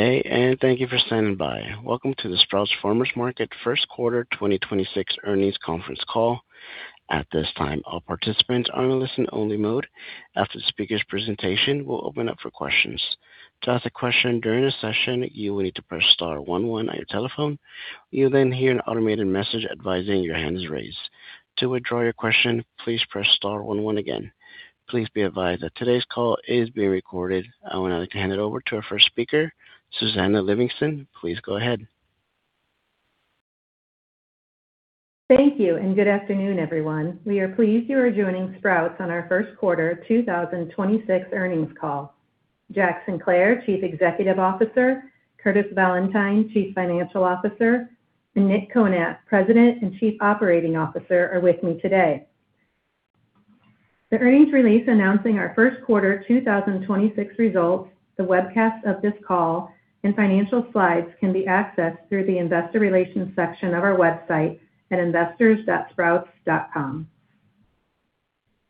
Day. Thank you for standing by. Welcome to the Sprouts Farmers Market first quarter 2026 earnings conference call. At this time, all participants are in listen only mode. After the speaker's presentation, we'll open up for questions. To ask a question during this session, you will need to press star one one on your telephone. You'll hear an automated message advising your hand is raised. To withdraw your question, please press star one one again. Please be advised that today's call is being recorded. I would now like to hand it over to our first speaker, Susannah Livingston. Please go ahead. Thank you. Good afternoon, everyone. We are pleased you are joining Sprouts on our first quarter 2026 earnings call. Jack Sinclair, Chief Executive Officer, Curtis Valentine, Chief Financial Officer, and Nick Konat, President and Chief Operating Officer, are with me today. The earnings release announcing our first quarter 2026 results, the webcast of this call, and financial slides can be accessed through the investor relations section of our website at investors.sprouts.com.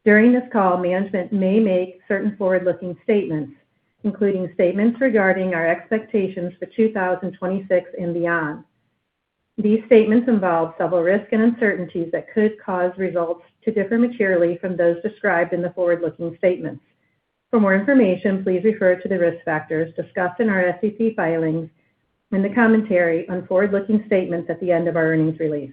During this call, management may make certain forward-looking statements, including statements regarding our expectations for 2026 and beyond. These statements involve several risks and uncertainties that could cause results to differ materially from those described in the forward-looking statements. For more information, please refer to the risk factors discussed in our SEC filings and the commentary on forward-looking statements at the end of our earnings release.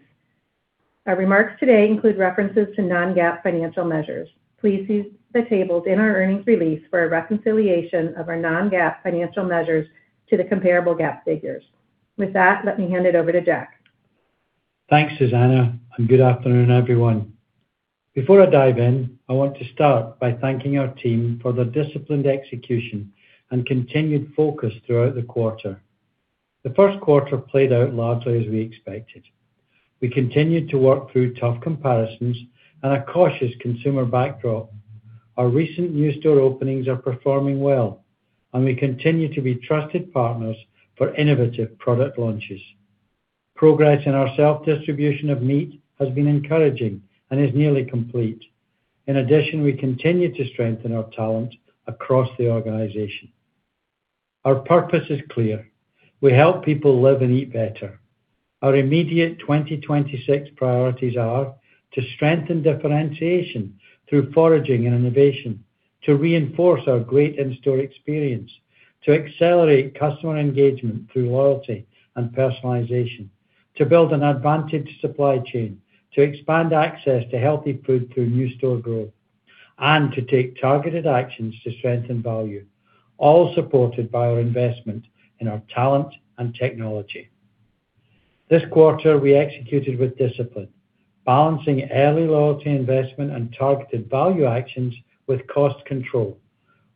Our remarks today include references to non-GAAP financial measures. Please see the tables in our earnings release for a reconciliation of our non-GAAP financial measures to the comparable GAAP figures. With that, let me hand it over to Jack. Thanks, Susannah, good afternoon, everyone. Before I dive in, I want to start by thanking our team for their disciplined execution and continued focus throughout the quarter. The first quarter played out largely as we expected. We continued to work through tough comparisons and a cautious consumer backdrop. Our recent new store openings are performing well, and we continue to be trusted partners for innovative product launches. Progress in our self-distribution of meat has been encouraging and is nearly complete. In addition, we continue to strengthen our talent across the organization. Our purpose is clear. We help people live and eat better. Our immediate 2026 priorities are to strengthen differentiation through foraging and innovation, to reinforce our great in-store experience, to accelerate customer engagement through loyalty and personalization, to build an advantaged supply chain, to expand access to healthy food through new store growth, and to take targeted actions to strengthen value, all supported by our investment in our talent and technology. This quarter, we executed with discipline, balancing early loyalty investment and targeted value actions with cost control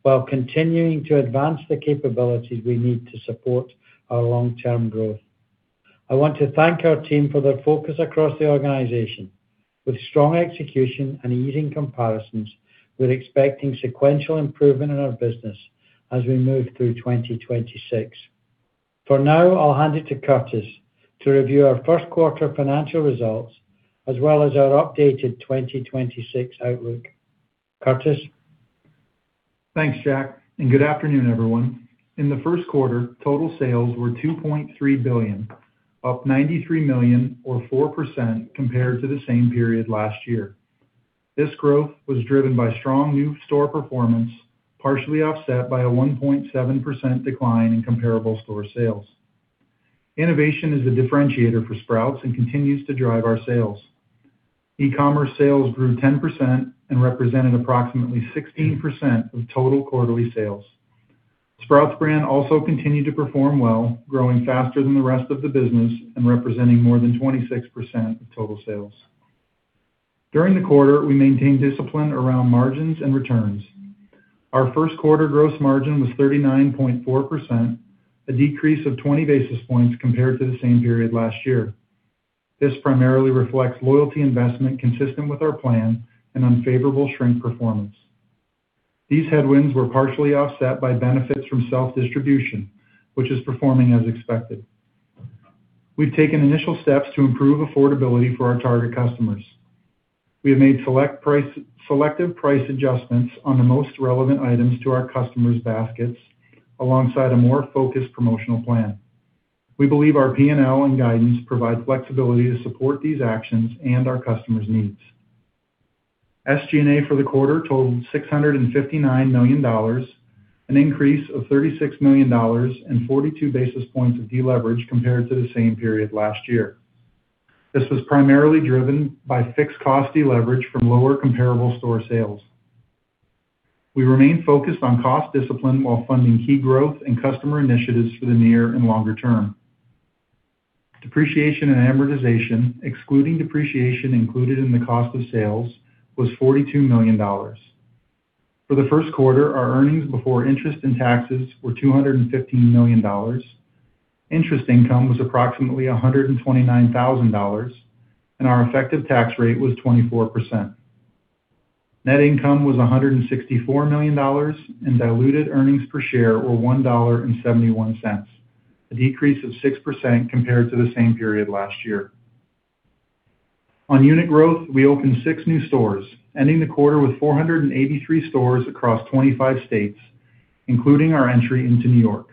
while continuing to advance the capabilities we need to support our long-term growth. I want to thank our team for their focus across the organization. With strong execution and easing comparisons, we're expecting sequential improvement in our business as we move through 2026. For now, I'll hand it to Curtis to review our first quarter financial results as well as our updated 2026 outlook. Curtis? Thanks, Jack. Good afternoon, everyone. In the first quarter, total sales were $2.3 billion, up $93 million or 4% compared to the same period last year. This growth was driven by strong new store performance, partially offset by a 1.7% decline in comparable store sales. Innovation is a differentiator for Sprouts and continues to drive our sales. e-commerce sales grew 10% and represented approximately 16% of total quarterly sales. Sprouts brand also continued to perform well, growing faster than the rest of the business and representing more than 26% of total sales. During the quarter, we maintained discipline around margins and returns. Our first quarter gross margin was 39.4%, a decrease of 20 basis points compared to the same period last year. This primarily reflects loyalty investment consistent with our plan and unfavorable shrink performance. These headwinds were partially offset by benefits from self-distribution, which is performing as expected. We've taken initial steps to improve affordability for our target customers. We have made selective price adjustments on the most relevant items to our customers' baskets alongside a more focused promotional plan. We believe our P&L and guidance provide flexibility to support these actions and our customers' needs. SG&A for the quarter totaled $659 million, an increase of $36 million and 42 basis points of deleverage compared to the same period last year. This was primarily driven by fixed cost deleverage from lower comparable store sales. We remain focused on cost discipline while funding key growth and customer initiatives for the near and longer term. Depreciation and amortization, excluding depreciation included in the cost of sales, was $42 million. For the first quarter, our earnings before interest and taxes were $215 million. Interest income was approximately $129,000, and our effective tax rate was 24%. Net income was $164 million, and diluted earnings per share were $1.71, a decrease of 6% compared to the same period last year. On unit growth, we opened six new stores, ending the quarter with 483 stores across 25 states, including our entry into New York.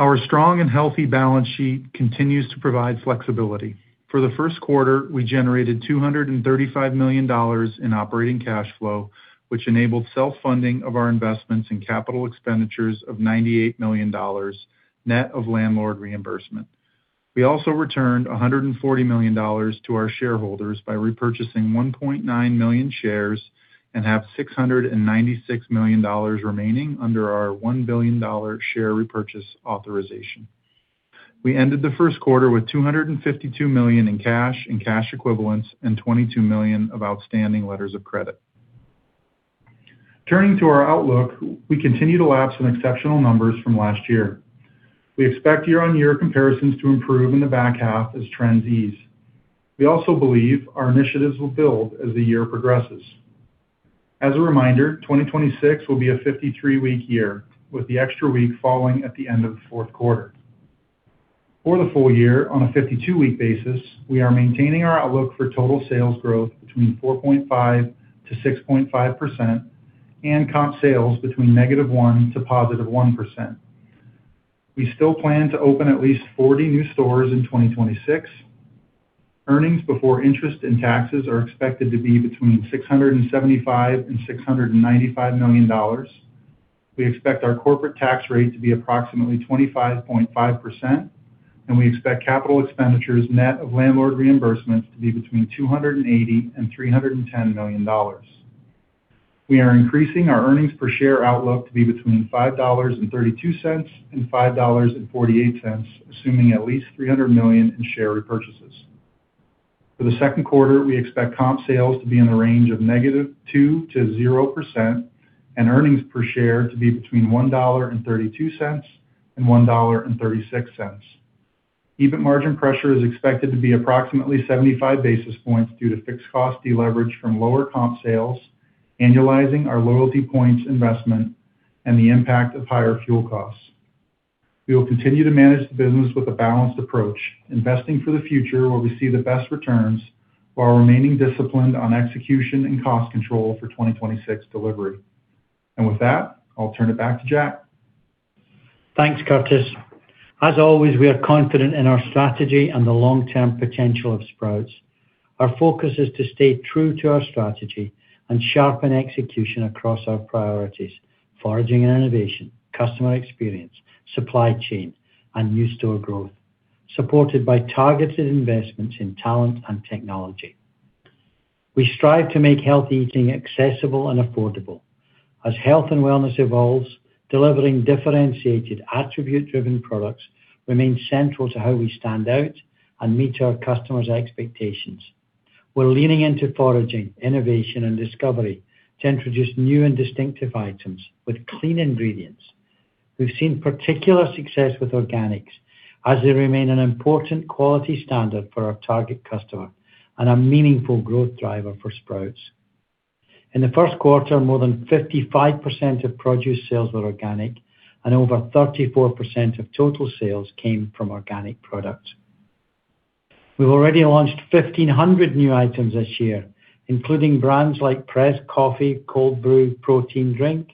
Our strong and healthy balance sheet continues to provide flexibility. For the first quarter, we generated $235 million in operating cash flow, which enabled self-funding of our investments in capital expenditures of $98 million, net of landlord reimbursement. We also returned $140 million to our shareholders by repurchasing $1.9 million shares and have $696 million remaining under our $1 billion share repurchase authorization. We ended the first quarter with $252 million in cash and cash equivalents and $22 million of outstanding letters of credit. Turning to our outlook, we continue to lapse on exceptional numbers from last year. We expect year-over-year comparisons to improve in the back half as trends ease. We also believe our initiatives will build as the year progresses. As a reminder, 2026 will be a 53-week year, with the extra week falling at the end of the fourth quarter. For the full year, on a 52-week basis, we are maintaining our outlook for total sales growth between 4.5%-6.5% and comp sales between -1% to +1%. We still plan to open at least 40 new stores in 2026. Earnings before interest and taxes are expected to be between $675 million and $695 million. We expect our corporate tax rate to be approximately 25.5%, and we expect capital expenditures net of landlord reimbursements to be between $280 million and $310 million. We are increasing our earnings per share outlook to be between $5.32 and $5.48, assuming at least $300 million in share repurchases. For the second quarter, we expect comp sales to be in the range of -2% to 0% and earnings per share to be between $1.32 and $1.36. EBIT margin pressure is expected to be approximately 75 basis points due to fixed cost deleverage from lower comp sales, annualizing our loyalty points investment, and the impact of higher fuel costs. We will continue to manage the business with a balanced approach, investing for the future where we see the best returns while remaining disciplined on execution and cost control for 2026 delivery. With that, I'll turn it back to Jack. Thanks, Curtis. As always, we are confident in our strategy and the long-term potential of Sprouts. Our focus is to stay true to our strategy and sharpen execution across our priorities, foraging and innovation, customer experience, supply chain, and new store growth, supported by targeted investments in talent and technology. We strive to make healthy eating accessible and affordable. As health and wellness evolves, delivering differentiated attribute-driven products remains central to how we stand out and meet our customers' expectations. We're leaning into foraging, innovation, and discovery to introduce new and distinctive items with clean ingredients. We've seen particular success with organics as they remain an important quality standard for our target customer and a meaningful growth driver for Sprouts. In the first quarter, more than 55% of produce sales were organic and over 34% of total sales came from organic products. We've already launched 1,500 new items this year, including brands like Press Coffee, Cold Brew Protein Drink,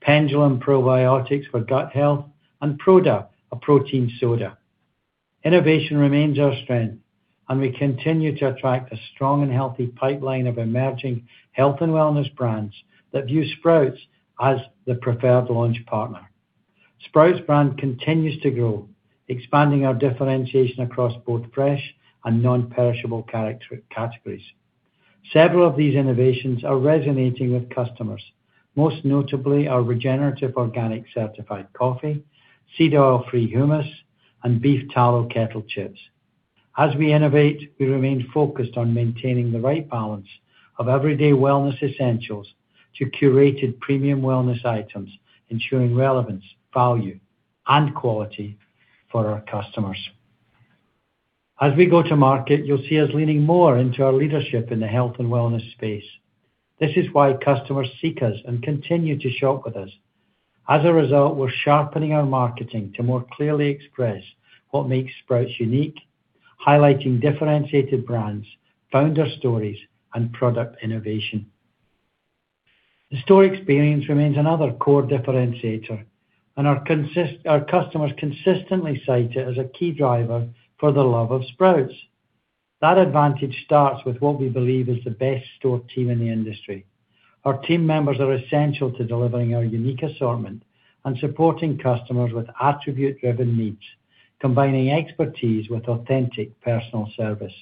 Pendulum Probiotics for gut health, and Proda, a protein soda. Innovation remains our strength, and we continue to attract a strong and healthy pipeline of emerging health and wellness brands that view Sprouts as the preferred launch partner. Sprouts brand continues to grow, expanding our differentiation across both fresh and non-perishable categories. Several of these innovations are resonating with customers, most notably our regenerative organic certified coffee, seed oil-free hummus, and beef tallow kettle chips. As we innovate, we remain focused on maintaining the right balance of everyday wellness essentials to curated premium wellness items, ensuring relevance, value, and quality for our customers. As we go to market, you'll see us leaning more into our leadership in the health and wellness space. This is why customers seek us and continue to shop with us. As a result, we're sharpening our marketing to more clearly express what makes Sprouts unique, highlighting differentiated brands, founder stories, and product innovation. The store experience remains another core differentiator, and our customers consistently cite it as a key driver for the love of Sprouts. That advantage starts with what we believe is the best store team in the industry. Our team members are essential to delivering our unique assortment and supporting customers with attribute-driven needs, combining expertise with authentic personal service.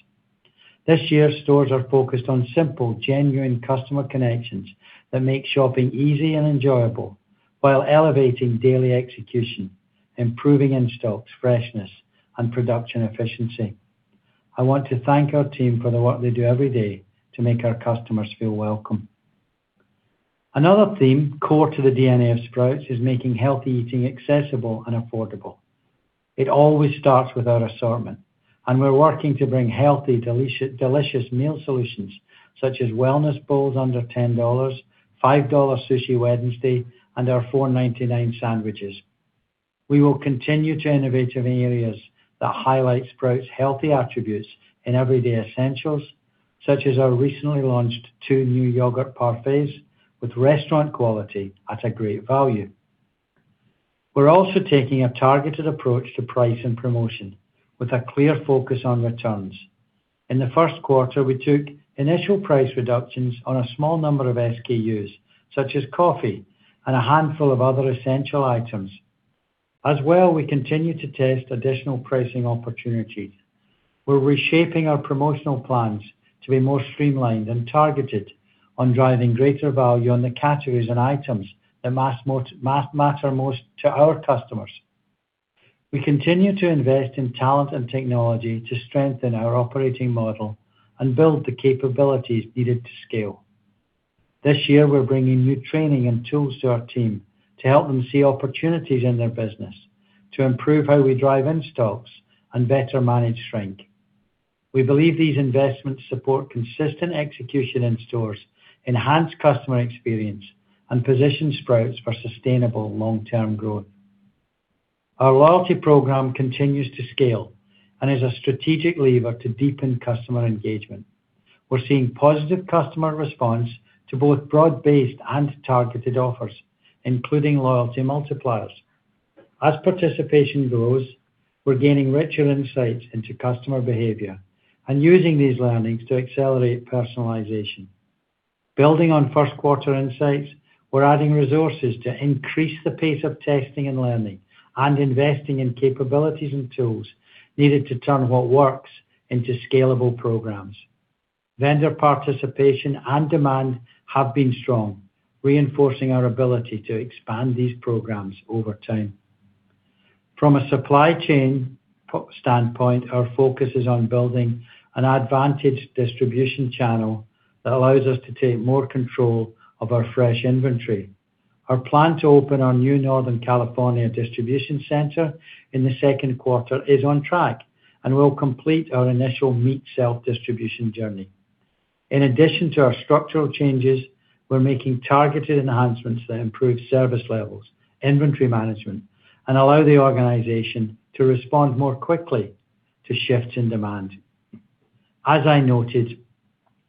This year, stores are focused on simple, genuine customer connections that make shopping easy and enjoyable while elevating daily execution, improving in-stocks, freshness, and production efficiency. I want to thank our team for the work they do every day to make our customers feel welcome. Another theme core to the DNA of Sprouts is making healthy eating accessible and affordable. It always starts with our assortment, and we're working to bring healthy delicious meal solutions such as Wellness Bowls under $10, $5 Sushi Wednesday, and our $4.99 sandwiches. We will continue to innovate in areas that highlight Sprouts' healthy attributes in everyday essentials, such as our recently launched two new yogurt parfaits with restaurant quality at a great value. We're also taking a targeted approach to price and promotion with a clear focus on returns. In the first quarter, we took initial price reductions on a small number of SKUs, such as coffee and a handful of other essential items. As well, we continue to test additional pricing opportunities. We're reshaping our promotional plans to be more streamlined and targeted on driving greater value on the categories and items that matter most to our customers. We continue to invest in talent and technology to strengthen our operating model and build the capabilities needed to scale. This year, we're bringing new training and tools to our team to help them see opportunities in their business, to improve how we drive in stocks and better manage shrink. We believe these investments support consistent execution in stores, enhance customer experience, and position Sprouts for sustainable long-term growth. Our loyalty program continues to scale and is a strategic lever to deepen customer engagement. We're seeing positive customer response to both broad-based and targeted offers, including loyalty multipliers. As participation grows, we're gaining richer insights into customer behavior and using these learnings to accelerate personalization. Building on first quarter insights, we're adding resources to increase the pace of testing and learning and investing in capabilities and tools needed to turn what works into scalable programs. Vendor participation and demand have been strong, reinforcing our ability to expand these programs over time. From a supply chain standpoint, our focus is on building an advantage distribution channel that allows us to take more control of our fresh inventory. Our plan to open our new Northern California distribution center in the second quarter is on track and will complete our initial meat self-distribution journey. In addition to our structural changes, we're making targeted enhancements that improve service levels, inventory management, and allow the organization to respond more quickly to shifts in demand. As I noted,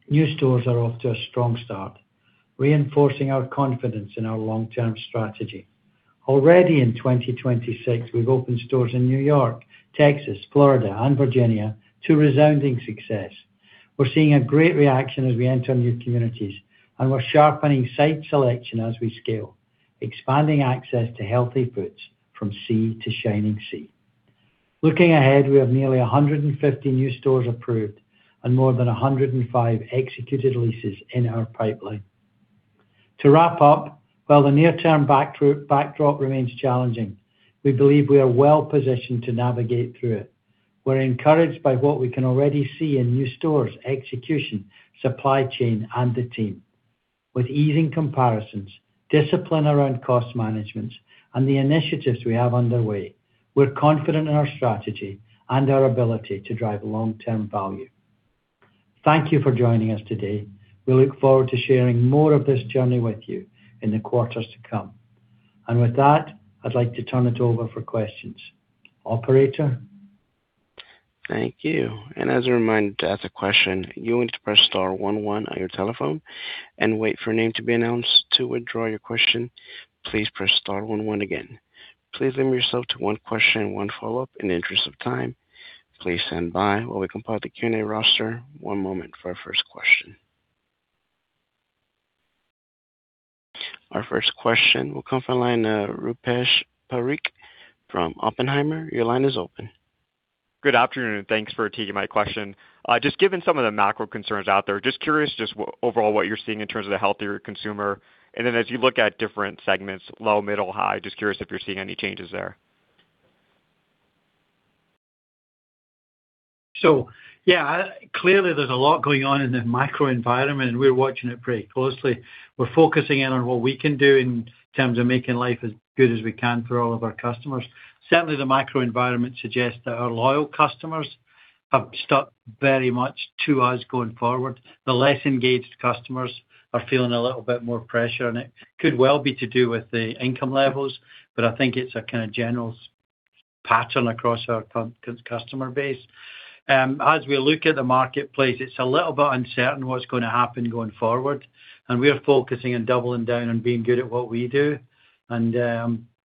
new stores are off to a strong start, reinforcing our confidence in our long-term strategy. Already in 2026, we've opened stores in New York, Texas, Florida and Virginia to resounding success. We're seeing a great reaction as we enter new communities, and we're sharpening site selection as we scale, expanding access to healthy foods from sea to shining sea. Looking ahead, we have nearly 150 new stores approved and more than 105 executed leases in our pipeline. To wrap up, while the near term backdrop remains challenging, we believe we are well positioned to navigate through it. We're encouraged by what we can already see in new stores, execution, supply chain, and the team. With easing comparisons, discipline around cost management, and the initiatives we have underway, we're confident in our strategy and our ability to drive long-term value. Thank you for joining us today. We look forward to sharing more of this journey with you in the quarters to come. With that, I'd like to turn it over for questions. Operator. Thank you. As a reminder, to ask a question, you need to press star one one on your telephone and wait for a name to be announced. To withdraw your question, please press star one one again. Please limit yourself to one question and one follow-up in the interest of time. Please stand by while we compile the Q&A roster. one moment for our first question. Our first question will come from line, Rupesh Parikh from Oppenheimer. Your line is open. Good afternoon, and thanks for taking my question. Just given some of the macro concerns out there, just curious just overall what you're seeing in terms of the healthier consumer? As you look at different segments, low, middle, high, just curious if you're seeing any changes there? Yeah, clearly there's a lot going on in the microenvironment, and we're watching it pretty closely. We're focusing in on what we can do in terms of making life as good as we can for all of our customers. Certainly, the microenvironment suggests that our loyal customers have stuck very much to us going forward. The less engaged customers are feeling a little bit more pressure, and it could well be to do with the income levels, but I think it's a kind of general pattern across our customer base. As we look at the marketplace, it's a little bit uncertain what's gonna happen going forward, and we're focusing on doubling down on being good at what we do and,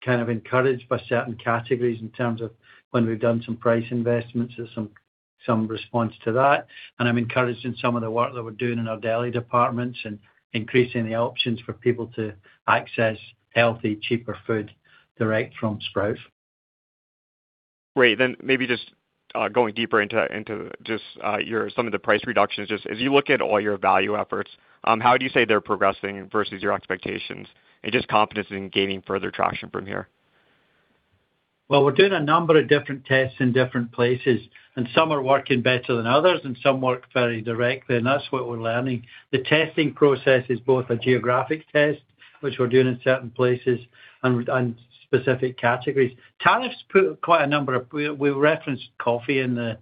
kind of encouraged by certain categories in terms of when we've done some price investments or some response to that. I'm encouraged in some of the work that we're doing in our deli departments and increasing the options for people to access healthy, cheaper food direct from Sprouts. Great. Maybe just going deeper into just some of the price reductions. Just as you look at all your value efforts, how do you say they're progressing versus your expectations and just confidence in gaining further traction from here? We're doing a number of different tests in different places. Some are working better than others. Some work very directly. That's what we're learning. The testing process is both a geographic test, which we're doing in certain places and specific categories. Tariffs put quite a number of. We referenced coffee in the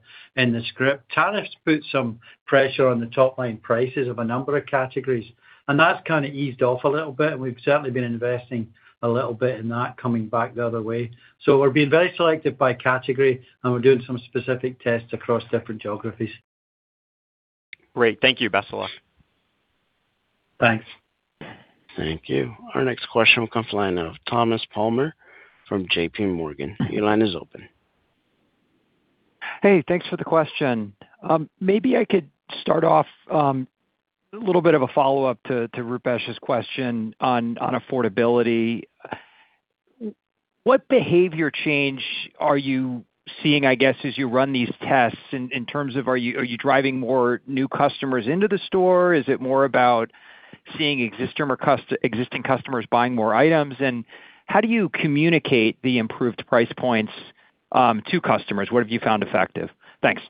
script. Tariffs put some pressure on the top line prices of a number of categories. That's kind of eased off a little bit. We've certainly been investing a little bit in that coming back the other way. We're being very selective by category. We're doing some specific tests across different geographies. Great. Thank you. Best of luck. Thanks. Thank you. Our next question will come from the line of Thomas Palmer from JPMorgan. Your line is open. Hey, thanks for the question. Maybe I could start off a little bit of a follow-up to Rupesh's question on affordability. What behavior change are you seeing, I guess, as you run these tests in terms of are you driving more new customers into the store? Is it more about seeing existing customers buying more items? How do you communicate the improved price points to customers? What have you found effective? Thanks.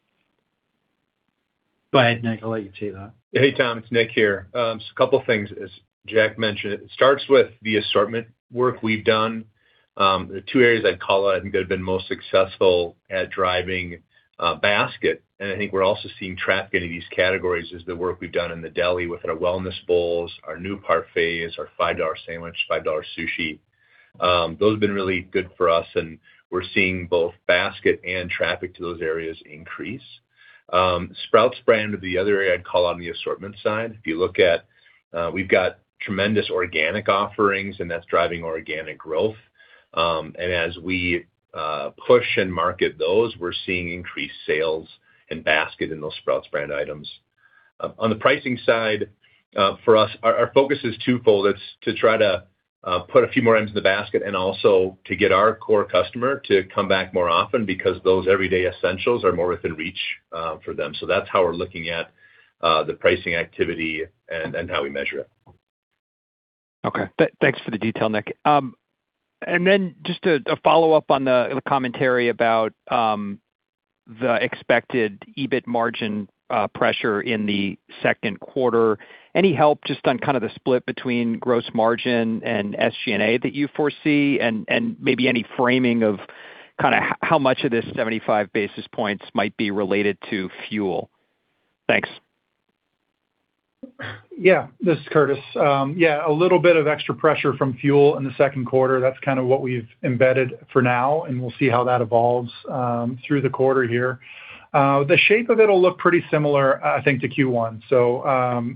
Go ahead, Nick. I'll let you take that. Hey, Tom, it's Nick here. Just a couple of things. As Jack mentioned, it starts with the assortment work we've done. The two areas I'd call out I think that have been most successful at driving basket, and I think we're also seeing traffic into these categories, is the work we've done in the deli with our Wellness Bowls, our new parfaits, our $5 sandwich, $5 sushi. Those have been really good for us, and we're seeing both basket and traffic to those areas increase. Sprouts brand are the other area I'd call on the assortment side. If you look at, we've got tremendous organic offerings, and that's driving organic growth. As we push and market those, we're seeing increased sales and basket in those Sprouts brand items. On the pricing side, for us, our focus is twofold. It's to try to put a few more items in the basket and also to get our core customer to come back more often because those everyday essentials are more within reach for them. That's how we're looking at the pricing activity and how we measure it. Okay. Thanks for the detail, Nick. Then just a follow-up on the commentary about the expected EBIT margin pressure in the second quarter. Any help just on kind of the split between gross margin and SG&A that you foresee and maybe any framing of how much of this 75 basis points might be related to fuel? Thanks. This is Curtis. A little bit of extra pressure from fuel in the second quarter. That's kinda what we've embedded for now, and we'll see how that evolves through the quarter here. The shape of it'll look pretty similar, I think, to Q1.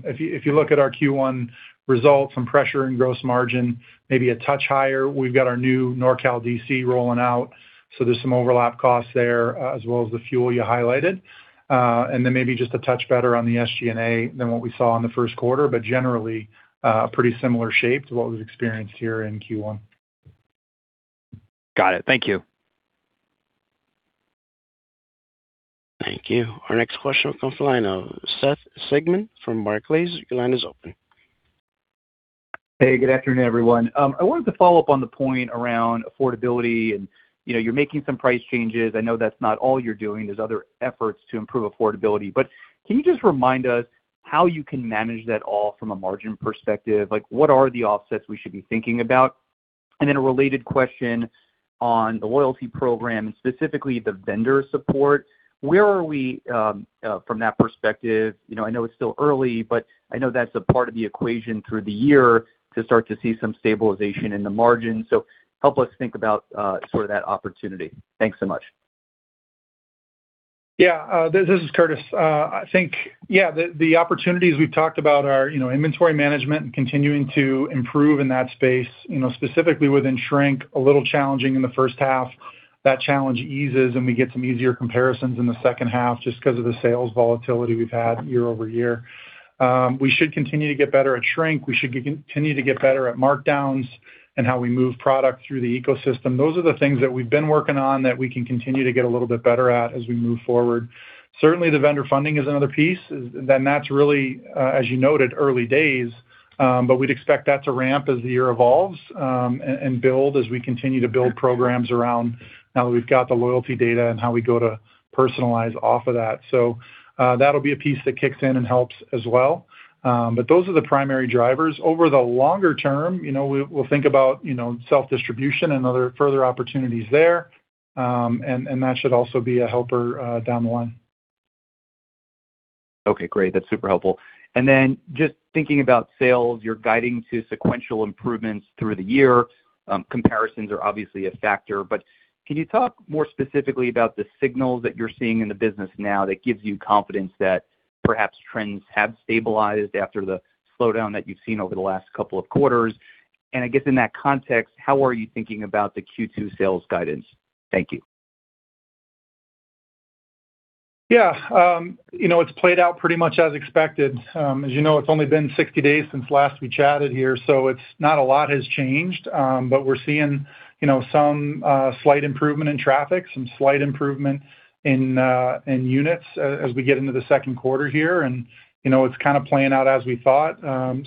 If you, if you look at our Q1 results, some pressure in gross margin, maybe a touch higher. We've got our new NorCal DC rolling out, so there's some overlap costs there, as well as the fuel you highlighted. Then maybe just a touch better on the SG&A than what we saw in the first quarter. Generally, pretty similar shape to what was experienced here in Q1. Got it. Thank you. Thank you. Our next question comes from the line of Seth Sigman from Barclays. Your line is open. Hey, good afternoon, everyone. I wanted to follow up on the point around affordability and, you know, you're making some price changes. I know that's not all you're doing. There's other efforts to improve affordability. Can you just remind us how you can manage that all from a margin perspective? Like, what are the offsets we should be thinking about? A related question on the loyalty program, specifically the vendor support. Where are we from that perspective? You know, I know it's still early, but I know that's a part of the equation through the year to start to see some stabilization in the margin. Help us think about sort of that opportunity. Thanks so much. This is Curtis. I think, yeah, the opportunities we've talked about are, you know, inventory management and continuing to improve in that space. You know, specifically within shrink, a little challenging in the first half. That challenge eases, and we get some easier comparisons in the second half just 'cause of the sales volatility we've had year-over-year. We should continue to get better at shrink. We should continue to get better at markdowns and how we move product through the ecosystem. Those are the things that we've been working on that we can continue to get a little bit better at as we move forward. Certainly, the vendor funding is another piece. That's really, as you noted, early days, but we'd expect that to ramp as the year evolves, and build as we continue to build programs around now that we've got the loyalty data and how we go to personalize off of that. That'll be a piece that kicks in and helps as well. Those are the primary drivers. Over the longer term, you know, we'll think about, you know, self-distribution and other further opportunities there. That should also be a helper down the line. Okay, great. That's super helpful. Then just thinking about sales, you're guiding to sequential improvements through the year. Comparisons are obviously a factor, but can you talk more specifically about the signals that you're seeing in the business now that gives you confidence that perhaps trends have stabilized after the slowdown that you've seen over the last couple of quarters? I guess in that context, how are you thinking about the Q2 sales guidance? Thank you. Yeah. You know, it's played out pretty much as expected. As you know, it's only been 60 days since last we chatted here, so it's not a lot has changed. We're seeing, you know, some slight improvement in traffic, some slight improvement in units as we get into the second quarter here. You know, it's kind of playing out as we thought.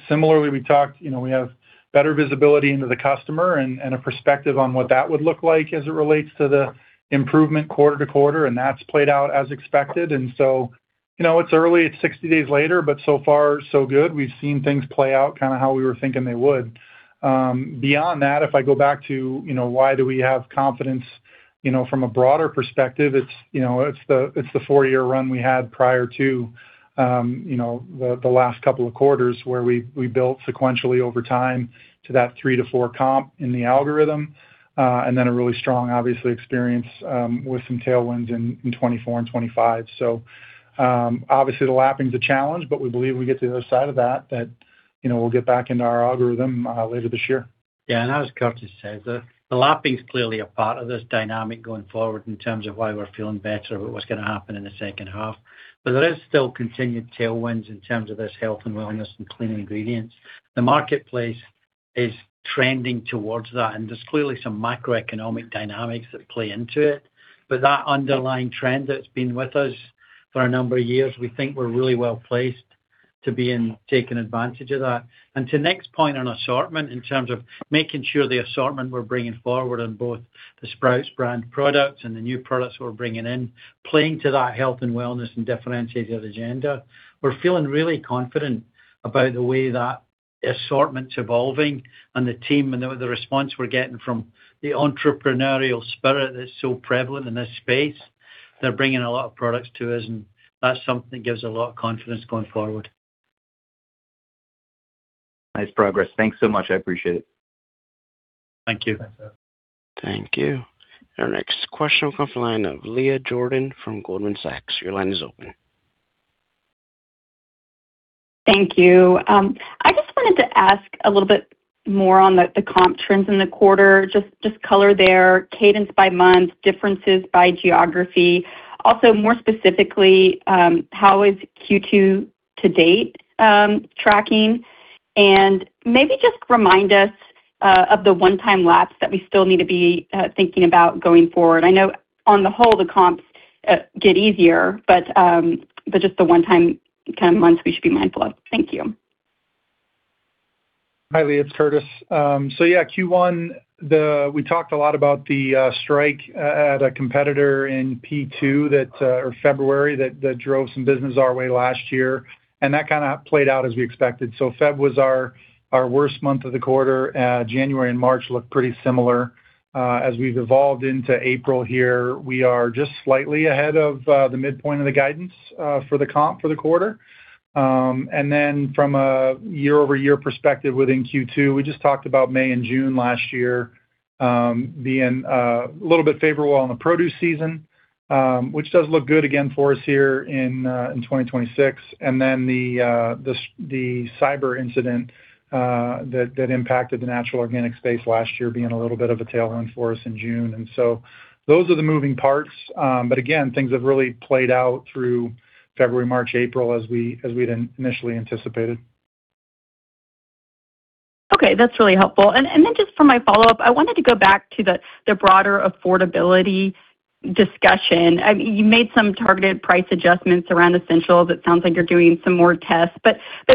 Similarly, we talked, you know, we have better visibility into the customer and a perspective on what that would look like as it relates to the improvement quarter to quarter, and that's played out as expected. You know, it's early, it's 60 days later, but so far, so good. We've seen things play out kinda how we were thinking they would. Beyond that, if I go back to, you know, why do we have confidence, you know, from a broader perspective, it's, you know, the four-year run we had prior to, you know, the last couple of quarters where we built sequentially over time to that 3%-4% comp in the algorithm. Then a really strong, obviously, experience with some tailwinds in 2024 and 2025. Obviously the lapping's a challenge, but we believe we get to the other side of that, you know, we'll get back into our algorithm later this year. Yeah. As Curtis says, the lapping's clearly a part of this dynamic going forward in terms of why we're feeling better about what's gonna happen in the second half. There is still continued tailwinds in terms of this health and wellness and clean ingredients. The marketplace is trending towards that. There's clearly some macroeconomic dynamics that play into it. That underlying trend that's been with us for a number of years, we think we're really well-placed to be in taking advantage of that. To Nick's point on assortment, in terms of making sure the assortment we're bringing forward on both the Sprouts brand products and the new products we're bringing in, playing to that health and wellness and differentiated agenda, we're feeling really confident about the way that the assortment's evolving and the team and the response we're getting from the entrepreneurial spirit that's so prevalent in this space. They're bringing a lot of products to us. That's something that gives a lot of confidence going forward. Nice progress. Thanks so much. I appreciate it. Thank you. Thanks, sir. Thank you. Our next question will come from the line of Leah Jordan from Goldman Sachs. Your line is open. Thank you. I just wanted to ask a little bit more on the comp trends in the quarter. Just color there, cadence by month, differences by geography. More specifically, how is Q2 to date tracking? Maybe just remind us of the one-time lapse that we still need to be thinking about going forward. I know on the whole the comps get easier, but just the one time, kind of, months we should be mindful of. Thank you. Hi, Leah. It's Curtis. Yeah, Q1, we talked a lot about the strike at a competitor in P2 that or February that drove some business our way last year, and that kind of played out as we expected. Feb was our worst month of the quarter. January and March looked pretty similar. As we've evolved into April here, we are just slightly ahead of the midpoint of the guidance for the comp for the quarter. From a year-over-year perspective within Q2, we just talked about May and June last year, being a little bit favorable on the produce season, which does look good again for us here in 2026. Then the cyber incident that impacted the natural organic space last year being a little bit of a tailwind for us in June. Those are the moving parts. Again, things have really played out through February, March, April as we'd initially anticipated. Okay, that's really helpful. Then just for my follow-up, I wanted to go back to the broader affordability discussion. You made some targeted price adjustments around essentials. It sounds like you're doing some more tests.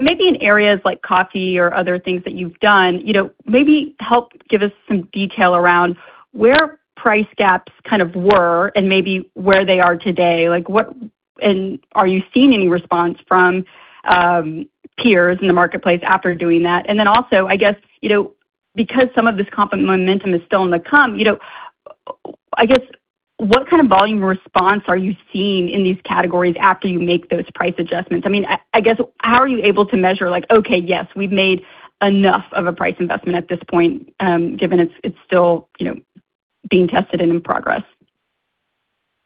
Maybe in areas like coffee or other things that you've done, you know, maybe help give us some detail around where price gaps kind of were and maybe where they are today. Are you seeing any response from peers in the marketplace after doing that? Also, I guess, you know, because some of this comp momentum is still on the come, you know, I guess, what kind of volume response are you seeing in these categories after you make those price adjustments? I mean, I guess, how are you able to measure like, "Okay, yes, we've made enough of a price investment at this point," given it's still, you know, being tested and in progress?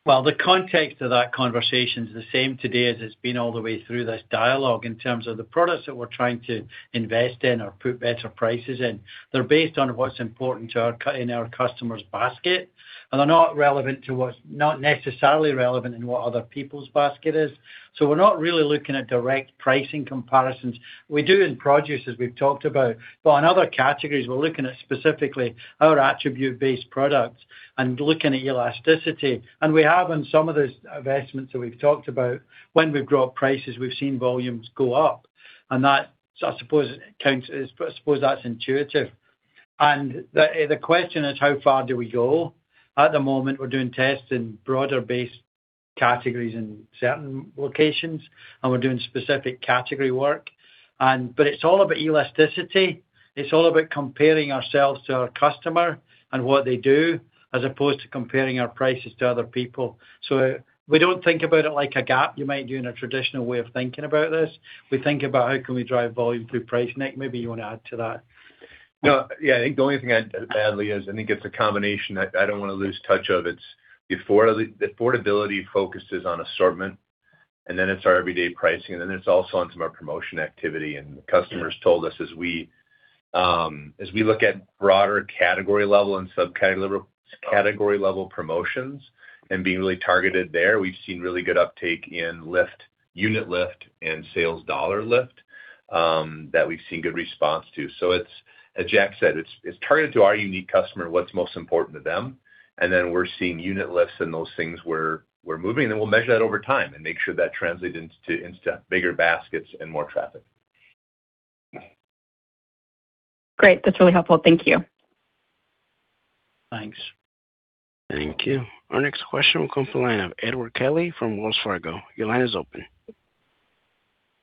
Well, the context of that conversation is the same today as it's been all the way through this dialogue in terms of the products that we're trying to invest in or put better prices in. They're based on what's important to our in our customer's basket, and they're not relevant to not necessarily relevant in what other people's basket is. We're not really looking at direct pricing comparisons. We do in produce, as we've talked about. In other categories, we're looking at specifically our attribute-based products and looking at elasticity. We have in some of those investments that we've talked about, when we've dropped prices, we've seen volumes go up. That, I suppose that's intuitive. The question is: How far do we go? At the moment, we're doing tests in broader-based categories in certain locations, and we're doing specific category work. But it's all about elasticity. It's all about comparing ourselves to our customer and what they do as opposed to comparing our prices to other people. We don't think about it like a gap you might do in a traditional way of thinking about this. We think about how can we drive volume through price. Nick, maybe you wanna add to that? No. Yeah. I think the only thing I'd add, Leah, is I think it's a combination. I don't wanna lose touch of its affordability focuses on assortment, it's our everyday pricing, it's also on some of our promotion activity. Customers told us as we, as we look at broader category level and subcategory level, category level promotions and being really targeted there, we've seen really good uptake in lift, unit lift and sales dollar lift, that we've seen good response to. It's, as Jack said, it's targeted to our unique customer, what's most important to them, we're seeing unit lifts and those things where we're moving, and we'll measure that over time and make sure that translates into bigger baskets and more traffic. Great. That's really helpful. Thank you. Thanks. Thank you. Our next question will come from the line of Edward Kelly from Wells Fargo. Your line is open.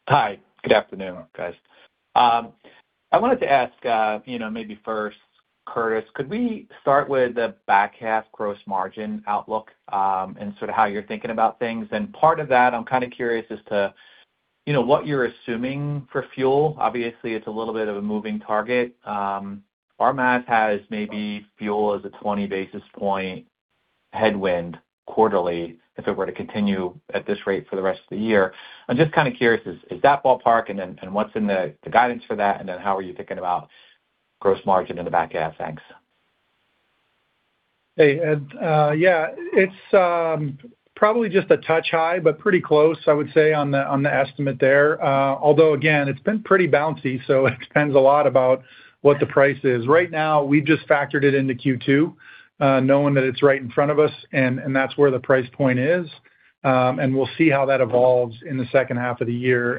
Hi. Good afternoon, guys. I wanted to ask, you know, maybe first, Curtis, could we start with the back half gross margin outlook and sort of how you're thinking about things? Part of that, I'm kind of curious as to, you know, what you're assuming for fuel, obviously, it's a little bit of a moving target. Our math has maybe fuel as a 20 basis point headwind quarterly if it were to continue at this rate for the rest of the year. I'm just kind of curious, is that ballpark and then what's in the guidance for that, and then how are you thinking about gross margin in the back half? Thanks. Hey, Ed. Yeah, it's probably just a touch high, but pretty close, I would say, on the estimate there. Although, again, it's been pretty bouncy, so it depends a lot on what the price is. Right now, we just factored it into Q2, knowing that it's right in front of us and that's where the price point is. We'll see how that evolves in the second half of the year.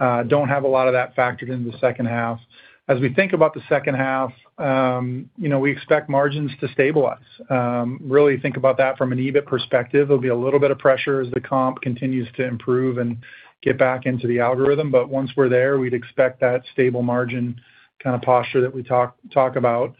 Don't have a lot of that factored into the second half. As we think about the second half, you know, we expect margins to stabilize. Really think about that from an EBIT perspective. There'll be a little bit of pressure as the comp continues to improve and get back into the algorithm. Once we're there, we'd expect that stable margin kind of posture that we talk about.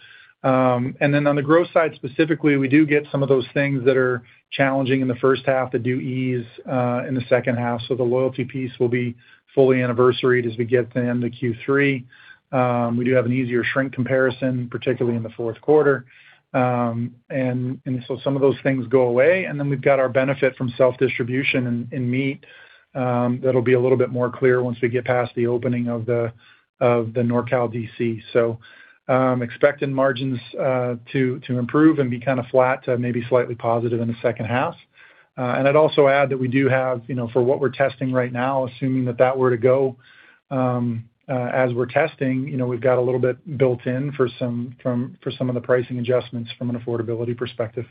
On the growth side specifically, we do get some of those things that are challenging in the first half that do ease in the second half. The loyalty piece will be fully anniversaried as we get into Q3. We do have an easier shrink comparison, particularly in the fourth quarter. Some of those things go away. We've got our benefit from self-distribution in meat that'll be a little bit more clear once we get past the opening of the NorCal DC. Expecting margins to improve and be kind of flat to maybe slightly positive in the second half. I'd also add that we do have, you know, for what we're testing right now, assuming that that were to go, as we're testing, you know, we've got a little bit built in for some of the pricing adjustments from an affordability perspective.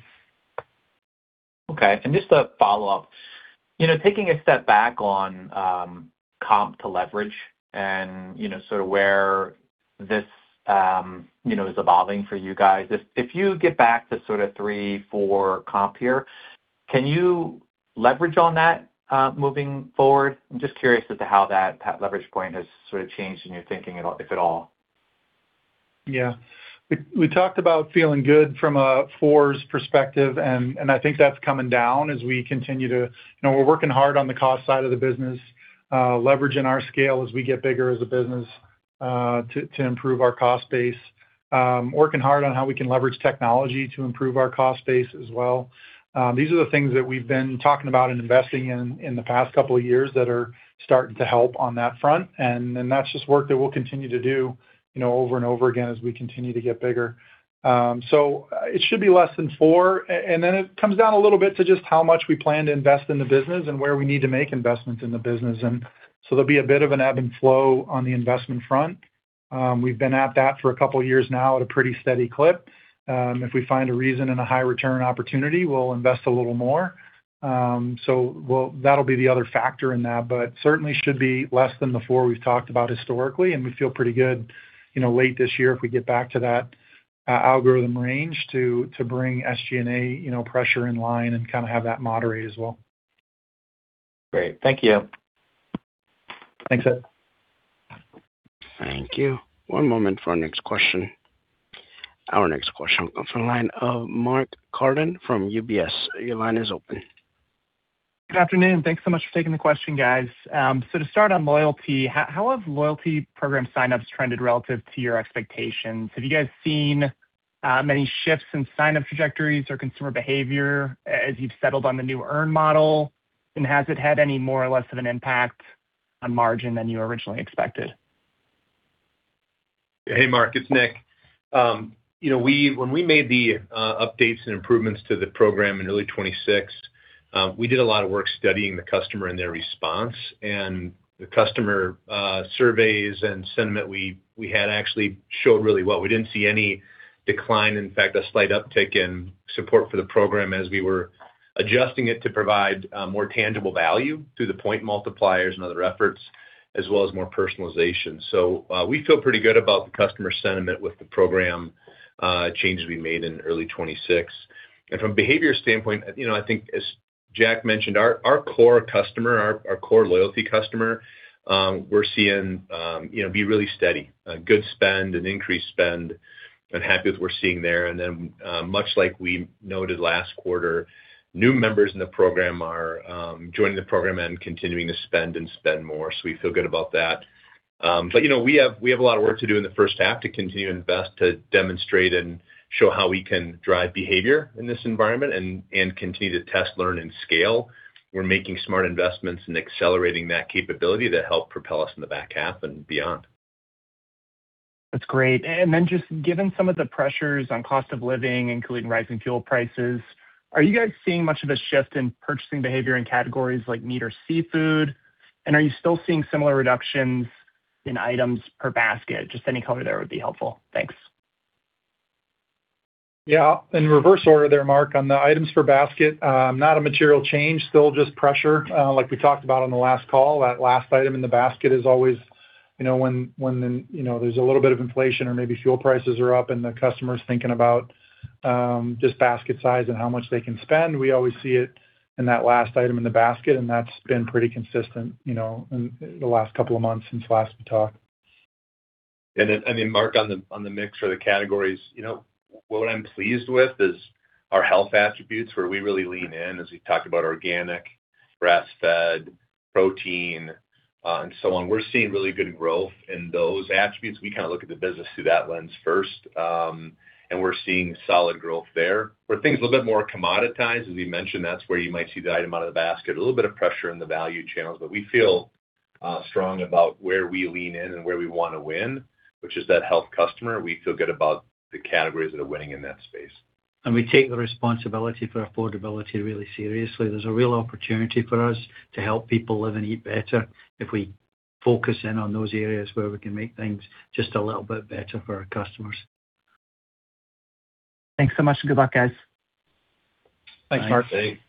Okay. Just a follow-up. You know, taking a step back on comp to leverage and, you know, sort of where this, you know, is evolving for you guys. If you get back to sort of 3%, 4% comp here, can you leverage on that moving forward? I'm just curious as to how that leverage point has sort of changed in your thinking at all, if at all. Yeah. We talked about feeling good from a fours perspective. I think that's coming down as we continue to. You know, we're working hard on the cost side of the business, leveraging our scale as we get bigger as a business, to improve our cost base. Working hard on how we can leverage technology to improve our cost base as well. These are the things that we've been talking about and investing in the past couple of years that are starting to help on that front. That's just work that we'll continue to do, you know, over and over again as we continue to get bigger. It should be less than four. Then it comes down a little bit to just how much we plan to invest in the business and where we need to make investments in the business. So there'll be a bit of an ebb and flow on the investment front. We've been at that for a couple of years now at a pretty steady clip. If we find a reason and a high return opportunity, we'll invest a little more. So that'll be the other factor in that. Certainly should be less than the four we've talked about historically, and we feel pretty good, you know, late this year if we get back to that algorithm range to bring SG&A, you know, pressure in line and kind of have that moderate as well. Great. Thank you. Thanks, Ed. Thank you. One moment for our next question. Our next question comes from the line of Mark Carden from UBS. Your line is open. Good afternoon. Thanks so much for taking the question, guys. To start on loyalty, how have loyalty program sign-ups trended relative to your expectations? Have you guys seen many shifts in sign-up trajectories or consumer behavior as you've settled on the new earn model? Has it had any more or less of an impact on margin than you originally expected? Hey, Mark, it's Nick. You know, when we made the updates and improvements to the program in early 2026, we did a lot of work studying the customer and their response. The customer surveys and sentiment we had actually showed really well. We didn't see any decline, in fact, a slight uptick in support for the program as we were adjusting it to provide more tangible value through the point multipliers and other efforts, as well as more personalization. We feel pretty good about the customer sentiment with the program changes we made in early 2026. From a behavior standpoint, you know, I think as Jack mentioned, our core customer, our core loyalty customer, you know, we're seeing be really steady. Good spend and increased spend and happy with what we're seeing there. Much like we noted last quarter, new members in the program are joining the program and continuing to spend and spend more. We feel good about that. You know, we have a lot of work to do in the first half to continue to invest, to demonstrate and show how we can drive behavior in this environment and continue to test, learn, and scale. We're making smart investments and accelerating that capability that help propel us in the back half and beyond. That's great. Then just given some of the pressures on cost of living, including rising fuel prices, are you guys seeing much of a shift in purchasing behavior in categories like meat or seafood? Are you still seeing similar reductions in items per basket? Just any color there would be helpful. Thanks. In reverse order there, Mark, on the items per basket, not a material change, still just pressure. Like we talked about on the last call, that last item in the basket is always, you know, when the, you know, there's a little bit of inflation or maybe fuel prices are up and the customer's thinking about just basket size and how much they can spend, we always see it in that last item in the basket, and that's been pretty consistent, you know, in the last couple of months since last we talked. I mean, Mark, on the, on the mix or the categories, you know, what I'm pleased with is our health attributes where we really lean in as we talk about organic, grass-fed, protein, and so on. We're seeing really good growth in those attributes. We kind of look at the business through that lens first. We're seeing solid growth there. Where things are a little bit more commoditized, as we mentioned, that's where you might see the item out of the basket, a little bit of pressure in the value channels. We feel strong about where we lean in and where we wanna win, which is that health customer. We feel good about the categories that are winning in that space. We take the responsibility for affordability really seriously. There's a real opportunity for us to help people live and eat better if we focus in on those areas where we can make things just a little bit better for our customers. Thanks so much and good luck, guys. Thanks, Mark. Thanks.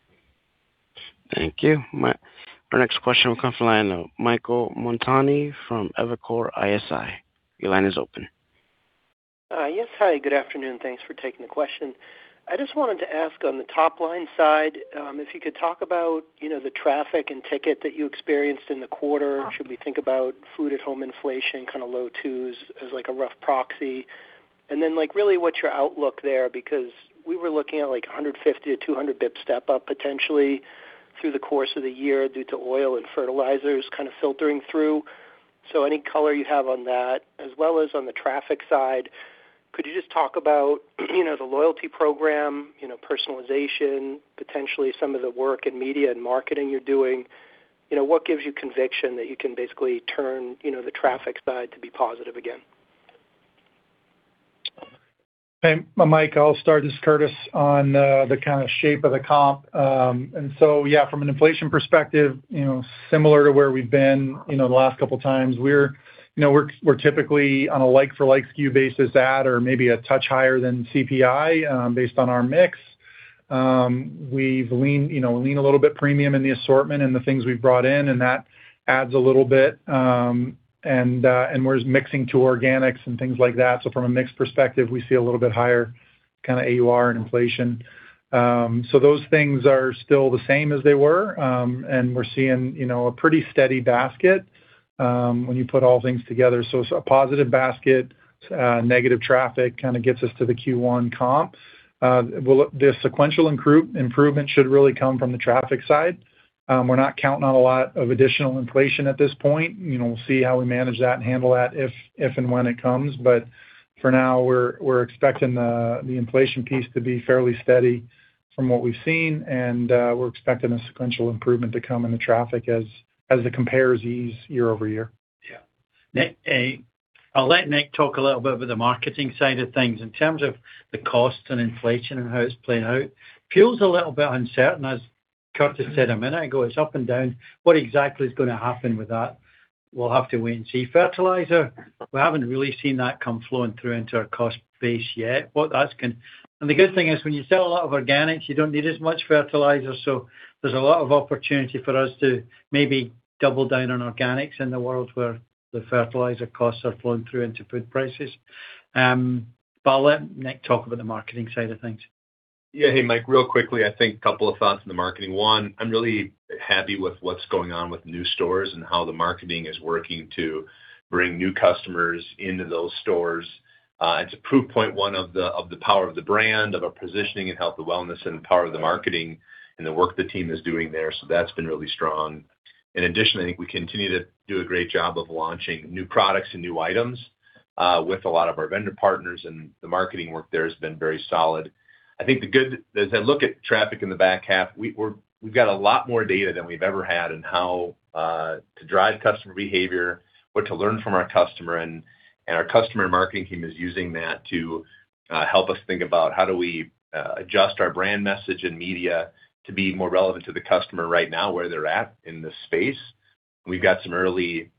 Thank you. Our next question will come from the line of Michael Montani from Evercore ISI. Your line is open. Yes, hi, good afternoon. Thanks for taking the question. I just wanted to ask on the top line side, if you could talk about, you know, the traffic and ticket that you experienced in the quarter. Should we think about food at home inflation kind of low two's as like a rough proxy? Like, really what's your outlook there because we were looking at like 150-200 basis points step up potentially through the course of the year due to oil and fertilizers kind of filtering through. Any color you have on that as well as on the traffic side, could you just talk about, you know, the loyalty program, you know, personalization, potentially some of the work in media and marketing you're doing. You know, what gives you conviction that you can basically turn, you know, the traffic side to be positive again? Hey, Mike, I'll start. This is Curtis on the kind of shape of the comp. Yeah, from an inflation perspective, you know, similar to where we've been, you know, the last couple times. We're, you know, we're typically on a like for like SKU basis at or maybe a touch higher than CPI based on our mix. We've leaned, you know, lean a little bit premium in the assortment and the things we've brought in, that adds a little bit. We're mixing to organics and things like that. From a mix perspective, we see a little bit higher kind of AUR and inflation. Those things are still the same as they were. We're seeing, you know, a pretty steady basket when you put all things together. A positive basket, negative traffic kind of gets us to the Q1 comp. We'll look. The sequential improvement should really come from the traffic side. We're not counting on a lot of additional inflation at this point. You know, we'll see how we manage that and handle that if and when it comes. For now we're expecting the inflation piece to be fairly steady from what we've seen, and we're expecting a sequential improvement to come in the traffic as the compares ease year-over-year. Yeah. Nick, I'll let Nick talk a little bit about the marketing side of things. In terms of the cost and inflation and how it's playing out, feels a little bit uncertain. As Curtis said a minute ago, it's up and down. What exactly is going to happen with that, we'll have to wait and see. Fertilizer, we haven't really seen that come flowing through into our cost base yet. The good thing is, when you sell a lot of organics, you don't need as much fertilizer, so there's a lot of opportunity for us to maybe double down on organics in the world where the fertilizer costs are flowing through into food prices. I'll let Nick talk about the marketing side of things. Yeah. Hey, Mike, real quickly, I think a couple of thoughts on the marketing. One, I'm really happy with what's going on with new stores and how the marketing is working to bring new customers into those stores. It's a proof point one of the, of the power of the brand, of our positioning in health and wellness and the power of the marketing and the work the team is doing there. That's been really strong. In addition, I think we continue to do a great job of launching new products and new items, with a lot of our vendor partners and the marketing work there has been very solid. I think as I look at traffic in the back half, we've got a lot more data than we've ever had in how to drive customer behavior or to learn from our customer, and our customer marketing team is using that to help us think about how do we adjust our brand message and media to be more relevant to the customer right now where they're at in this space. We've got some early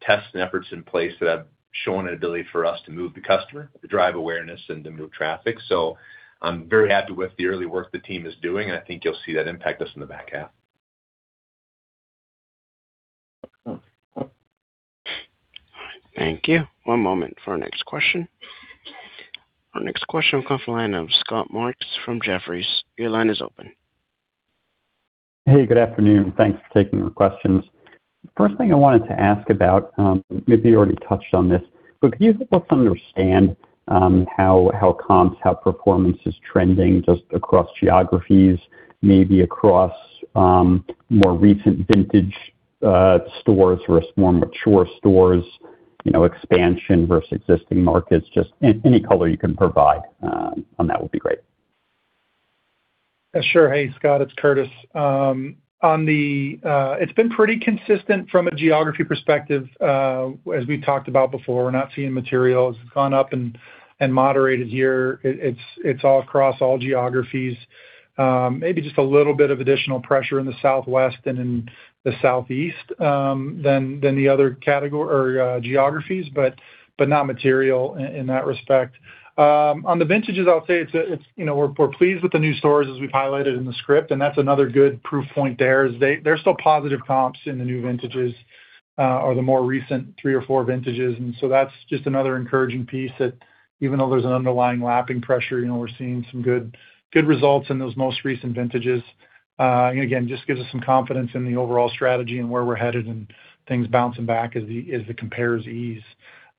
tests, efforts in place that have shown an ability for us to move the customer, to drive awareness and to move traffic. I'm very happy with the early work the team is doing, and I think you'll see that impact us in the back half. All right. Thank you. One moment for our next question. Our next question will come from the line of Scott Mushkin from Jefferies. Your line is open. Hey, good afternoon. Thanks for taking the questions. First thing I wanted to ask about, maybe you already touched on this, but could you help us understand how comps, how performance is trending just across geographies, maybe across more recent vintage stores versus more mature stores, you know, expansion versus existing markets, just any color you can provide on that would be great. Sure. Hey, Scott. It's Curtis. On the, it's been pretty consistent from a geography perspective. As we talked about before, we're not seeing materials. It's gone up and moderated here. It's all across all geographies. Maybe just a little bit of additional pressure in the Southwest and in the Southeast, than the other category or geographies, but not material in that respect. On the vintages, I'll say it's, you know, we're pleased with the new stores as we've highlighted in the script, and that's another good proof point there is there's still positive comps in the new vintages, or the more recent three or four vintages. That's just another encouraging piece that even though there's an underlying lapping pressure, you know, we're seeing some good results in those most recent vintages. Again, just gives us some confidence in the overall strategy and where we're headed and things bouncing back as the compares ease.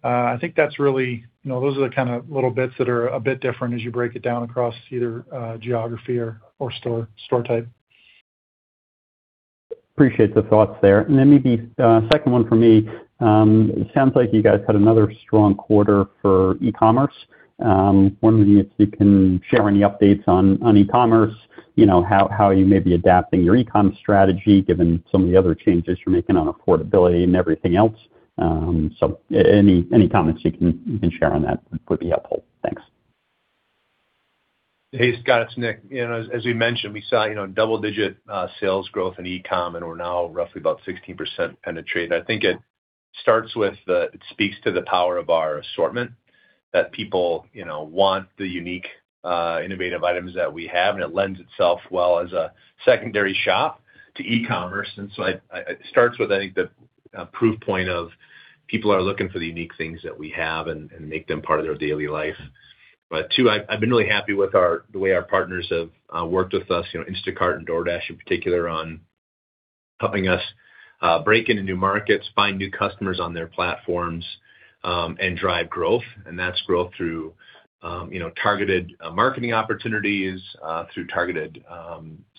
I think that's really, you know, those are the kind of little bits that are a bit different as you break it down across either geography or store type. Appreciate the thoughts there. Maybe, second one for me. It sounds like you guys had another strong quarter for e-commerce. Wondering if you can share any updates on e-commerce, you know, how you may be adapting your e-com strategy given some of the other changes you're making on affordability and everything else. Any comments you can share on that would be helpful. Thanks. Hey, Scott. It's Nick. You know, as we mentioned, we saw, you know, double-digit sales growth in e-com, and we're now roughly about 16% penetrate. I think it starts with it speaks to the power of our assortment that people, you know, want the unique, innovative items that we have, and it lends itself well as a secondary shop to e-commerce. It starts with, I think, the proof point of people are looking for the unique things that we have and make them part of their daily life. Two, I've been really happy with the way our partners have worked with us, you know, Instacart and DoorDash in particular, on helping us break into new markets, find new customers on their platforms, and drive growth. That's growth through, you know, targeted marketing opportunities, through targeted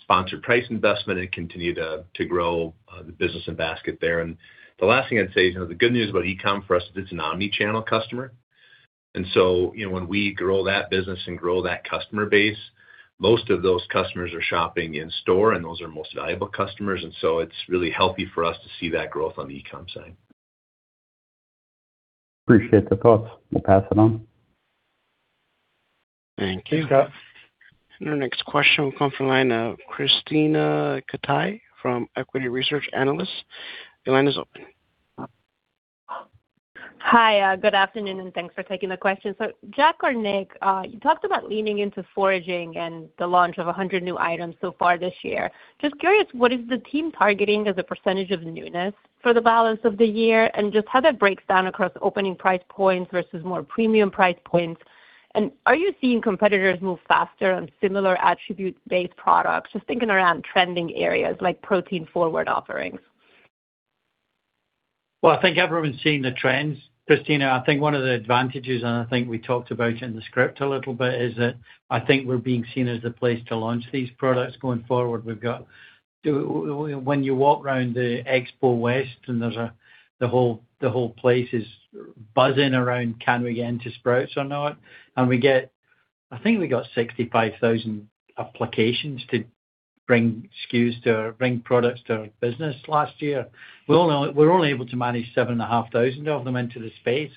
sponsored price investment and continue to grow the business and basket there. The last thing I'd say is, you know, the good news about e-com for us is it's an omni-channel customer. You know, when we grow that business and grow that customer base, most of those customers are shopping in store, and those are our most valuable customers. It's really healthy for us to see that growth on the e-com side. Appreciate the thoughts. Will pass it on. Thanks, Scott. Thank you. Our next question will come from the line of Krisztina Katai from Equity Research Analyst. Your line is open. Hi. Good afternoon, and thanks for taking the question. Jack or Nick, you talked about leaning into foraging and the launch of 100 new items so far this year. Just curious, what is the team targeting as a percentage of newness for the balance of the year, and just how that breaks down across opening price points versus more premium price points. Are you seeing competitors move faster on similar attribute-based products? Just thinking around trending areas like protein-forward offerings. Well, I think everyone's seen the trends, Krisztina. I think one of the advantages, and I think we talked about in the script a little bit, is that I think we're being seen as the place to launch these products going forward. When you walk around the Expo West and there's the whole place is buzzing around, "Can we get into Sprouts or not?" I think we got 65,000 applications to bring SKUs, bring products to our business last year. We're only able to manage 7,500 of them into the space.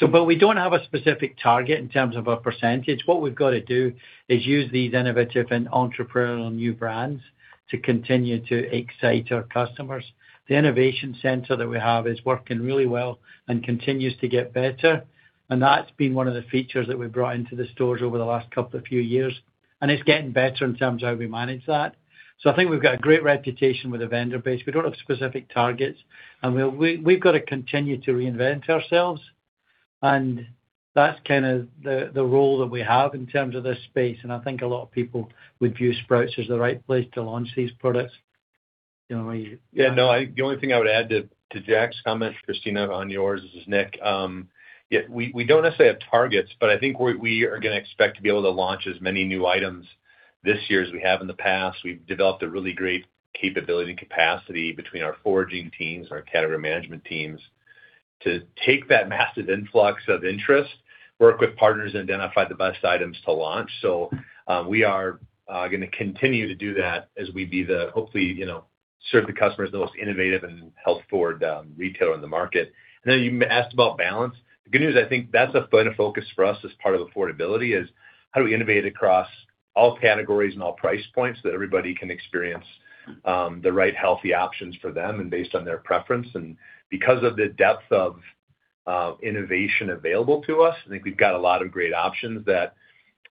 We don't have a specific target in terms of a percentage. What we've gotta do is use these innovative and entrepreneurial new brands to continue to excite our customers. The innovation center that we have is working really well and continues to get better, that's been one of the features that we've brought into the stores over the last couple of few years, it's getting better in terms of how we manage that. I think we've got a great reputation with the vendor base. We don't have specific targets. We've gotta continue to reinvent ourselves, and that's kind of the role that we have in terms of this space. I think a lot of people would view Sprouts as the right place to launch these products. You know. Yeah, no, I think the only thing I would add to Jack's comment, Krisztina, on yours is, Nick, we don't necessarily have targets, but I think we are gonna expect to be able to launch as many new items this year as we have in the past. We've developed a really great capability and capacity between our foraging teams, our category management teams, to take that massive influx of interest, work with partners, identify the best items to launch. We are gonna continue to do that as we hopefully, you know, serve the customers the most innovative and health-forward retailer in the market. You asked about balance. The good news, I think that's a fun focus for us as part of affordability, is how do we innovate across all categories and all price points that everybody can experience the right healthy options for them and based on their preference. Because of the depth of innovation available to us, I think we've got a lot of great options that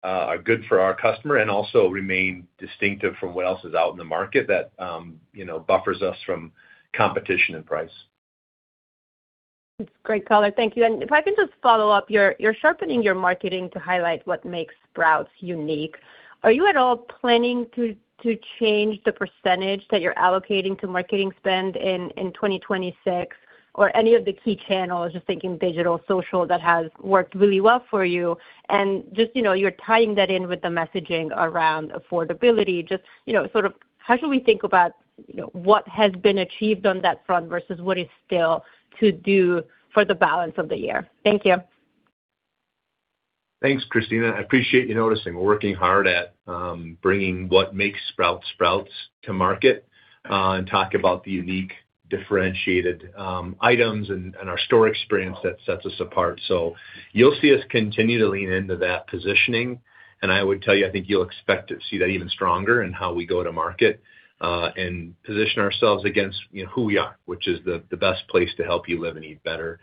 are good for our customer and also remain distinctive from what else is out in the market that, you know, buffers us from competition and price. That's great color. Thank you. If I can just follow up, you're sharpening your marketing to highlight what makes Sprouts unique. Are you at all planning to change the percentage that you're allocating to marketing spend in 2026 or any of the key channels, just thinking digital, social, that has worked really well for you? Just, you know, you're tying that in with the messaging around affordability. Just, you know, sort of how should we think about, you know, what has been achieved on that front versus what is still to do for the balance of the year? Thank you. Thanks, Krisztina. I appreciate you noticing. We're working hard at bringing what makes Sprouts to market and talk about the unique, differentiated items and our store experience that sets us apart. You'll see us continue to lean into that positioning. I would tell you, I think you'll expect to see that even stronger in how we go to market and position ourselves against, you know, who we are, which is the best place to help you live and eat better.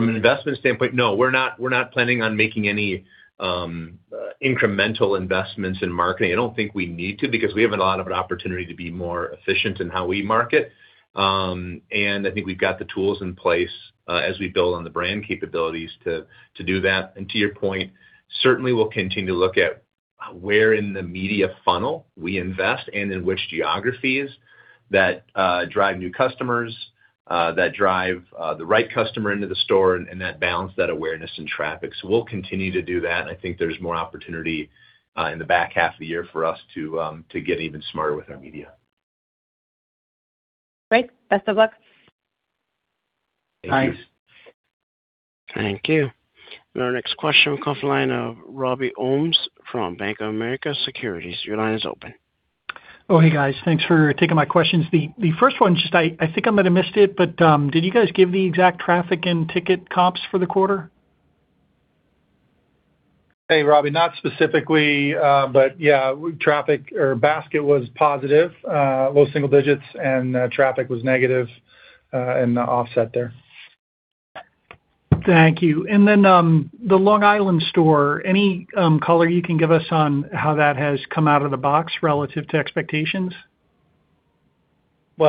From an investment standpoint, no, we're not planning on making any incremental investments in marketing. I don't think we need to because we have a lot of an opportunity to be more efficient in how we market. I think we've got the tools in place as we build on the brand capabilities to do that. To your point, certainly we'll continue to look at where in the media funnel we invest and in which geographies that drive new customers that drive the right customer into the store and that balance that awareness and traffic. We'll continue to do that, and I think there's more opportunity in the back half of the year for us to get even smarter with our media. Great. Best of luck. Thank you. Thanks. Thank you. Our next question comes from the line of Robbie Ohmes from Bank of America Securities. Hey, guys. Thanks for taking my questions. The first one, just I think I might have missed it, but did you guys give the exact traffic and ticket comps for the quarter? Hey, Robbie. Not specifically, but yeah, traffic or basket was positive, low single digits, and traffic was negative in the offset there. Thank you. The Long Island store, any color you can give us on how that has come out of the box relative to expectations? I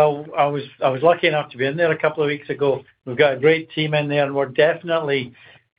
was lucky enough to be in there a couple of weeks ago. We've got a great team in there, and we're definitely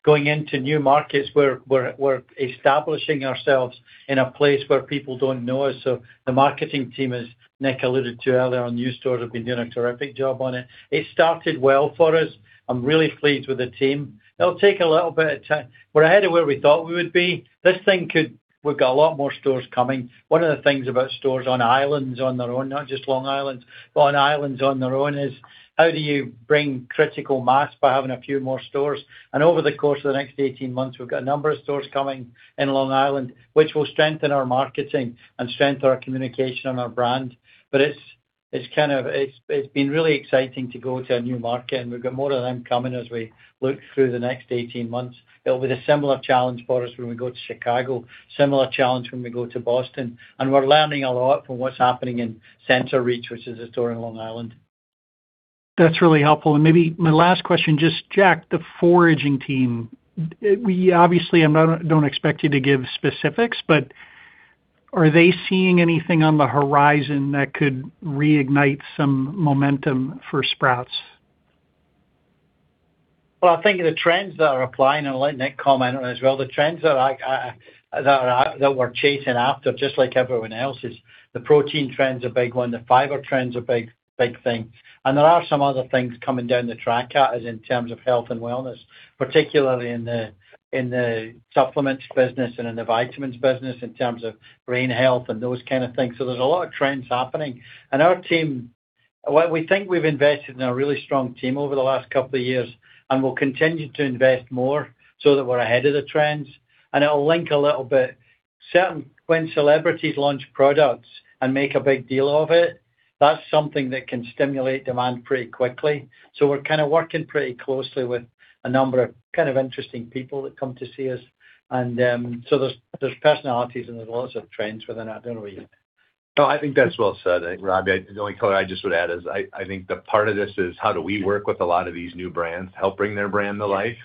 going into new markets where we're establishing ourselves in a place where people don't know us. The marketing team, as Nick alluded to earlier on new stores, have been doing a terrific job on it. It started well for us. I'm really pleased with the team. It'll take a little bit of time. We're ahead of where we thought we would be. We've got a lot more stores coming. One of the things about stores on islands on their own, not just Long Island, but on islands on their own, is how do you bring critical mass by having a few more stores? Over the course of the next 18 months, we've got a number of stores coming in Long Island, which will strengthen our marketing and strengthen our communication and our brand. It's kind of been really exciting to go to a new market, and we've got more of them coming as we look through the next 18 months. It'll be a similar challenge for us when we go to Chicago, similar challenge when we go to Boston, and we're learning a lot from what's happening in Centereach, which is a store in Long Island. That's really helpful. Maybe my last question, just Jack, the foraging team. We obviously, I don't expect you to give specifics, but are they seeing anything on the horizon that could reignite some momentum for Sprouts? Well, I think the trends that are applying, and I'll let Nick comment on it as well, the trends that I that are that we're chasing after, just like everyone else, is the protein trend's a big one, the fiber trend's a big thing. There are some other things coming down the track at us in terms of health and wellness, particularly in the supplements business and in the vitamins business in terms of brain health and those kind of things. There's a lot of trends happening. Our team, what we think we've invested in a really strong team over the last couple of years, and we'll continue to invest more so that we're ahead of the trends. It'll link a little bit. When celebrities launch products and make a big deal of it, that's something that can stimulate demand pretty quickly. We're kind of working pretty closely with a number of kind of interesting people that come to see us. There's personalities and there's lots of trends within that. I don't know what you- No, I think that's well said, Robbie. The only color I just would add is I think the part of this is how do we work with a lot of these new brands, help bring their brand to life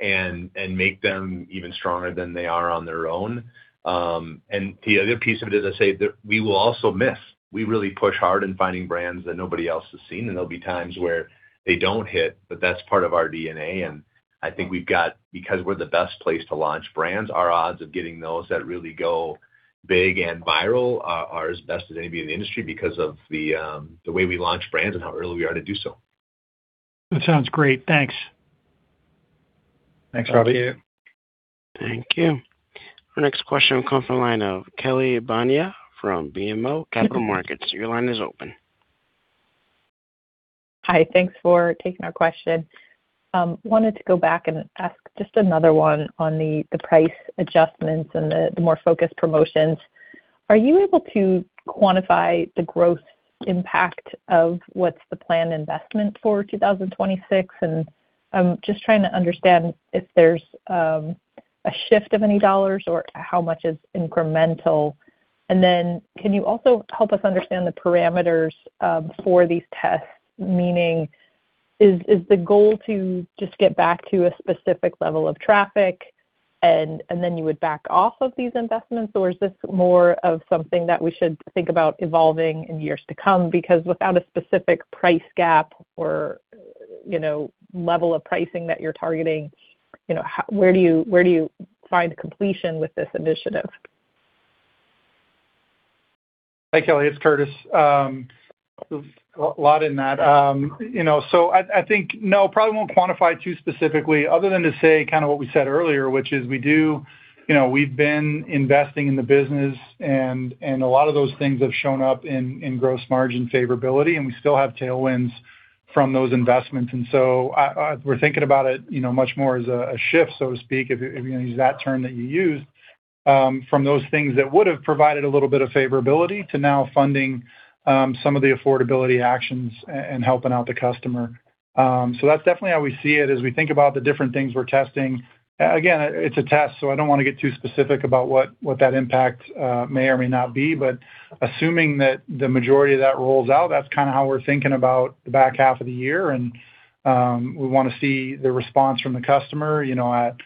and make them even stronger than they are on their own. The other piece of it is I say that we will also miss. We really push hard in finding brands that nobody else has seen, and there'll be times where they don't hit, but that's part of our DNA. I think we've got-- because we're the best place to launch brands, our odds of getting those that really go big and viral are as best as any in the industry because of the way we launch brands and how early we are to do so. That sounds great. Thanks. Thanks, Robbie. Thank you. Thank you. Our next question comes from the line of Kelly Bania from BMO Capital Markets. Your line is open. Hi. Thanks for taking our question. Wanted to go back and ask just another one on the price adjustments and the more focused promotions. Are you able to quantify the growth impact of what's the planned investment for 2026? I'm just trying to understand if there's a shift of any dollars or how much is incremental. Then can you also help us understand the parameters for these tests, meaning is the goal to just get back to a specific level of traffic and then you would back off of these investments, or is this more of something that we should think about evolving in years to come? Without a specific price gap or, you know, level of pricing that you're targeting, you know, where do you find completion with this initiative? Hi, Kelly, it's Curtis. There's a lot in that. You know, I think, no, probably won't quantify too specifically other than to say kind of what we said earlier, which is we do, you know, we've been investing in the business and a lot of those things have shown up in gross margin favorability. We still have tailwinds from those investments. We're thinking about it, you know, much more as a shift, so to speak, if you're gonna use that term that you used, from those things that would have provided a little bit of favorability to now funding some of the affordability actions and helping out the customer. That's definitely how we see it as we think about the different things we're testing. Again, it's a test, so I don't wanna get too specific about what that impact may or may not be. Assuming that the majority of that rolls out, that's kind of how we're thinking about the back half of the year. We wanna see the response from the customer, you know, at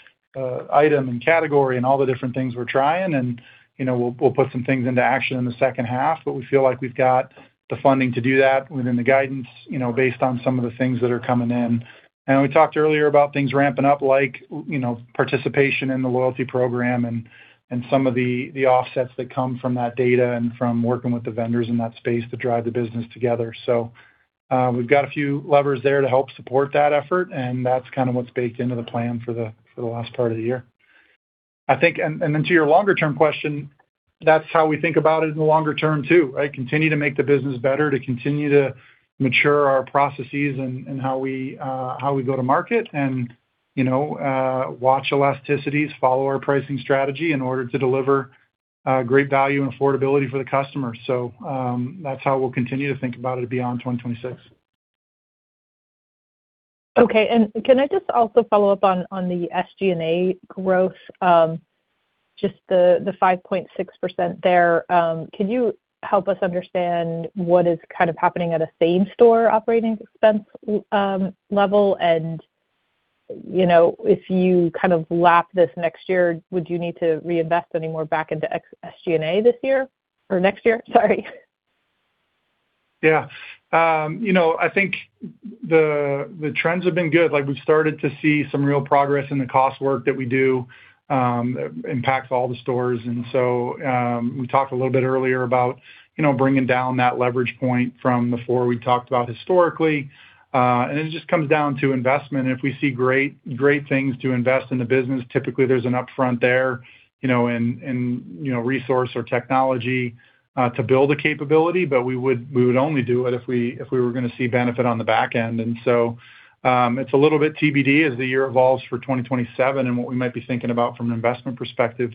item and category and all the different things we're trying. You know, we'll put some things into action in the second half. We feel like we've got the funding to do that within the guidance, you know, based on some of the things that are coming in. We talked earlier about things ramping up, like, you know, participation in the loyalty program and some of the offsets that come from that data and from working with the vendors in that space to drive the business together. So, we've got a few levers there to help support that effort. That's kind of what's baked into the plan for the last part of the year. Then to your longer-term question, that's how we think about it in the longer term too, right? Continue to make the business better, to continue to mature our processes and how we go to market, you know, watch elasticities, follow our pricing strategy in order to deliver great value and affordability for the customer. That's how we'll continue to think about it beyond 2026. Okay. Can I just also follow up on the SG&A growth? Just the 5.6% there. Could you help us understand what is kind of happening at a same-store operating expense level? You know, if you kind of lap this next year, would you need to reinvest any more back into SG&A this year or next year? Sorry. Yeah. You know, I think the trends have been good. Like, we've started to see some real progress in the cost work that we do, impacts all the stores. We talked a little bit earlier about, you know, bringing down that leverage point from the 4% we talked about historically. It just comes down to investment. If we see great things to invest in the business, typically there's an upfront there, you know, in, you know, resource or technology to build a capability. We would only do it if we were gonna see benefit on the back end. It's a little bit TBD as the year evolves for 2027 and what we might be thinking about from an investment perspective.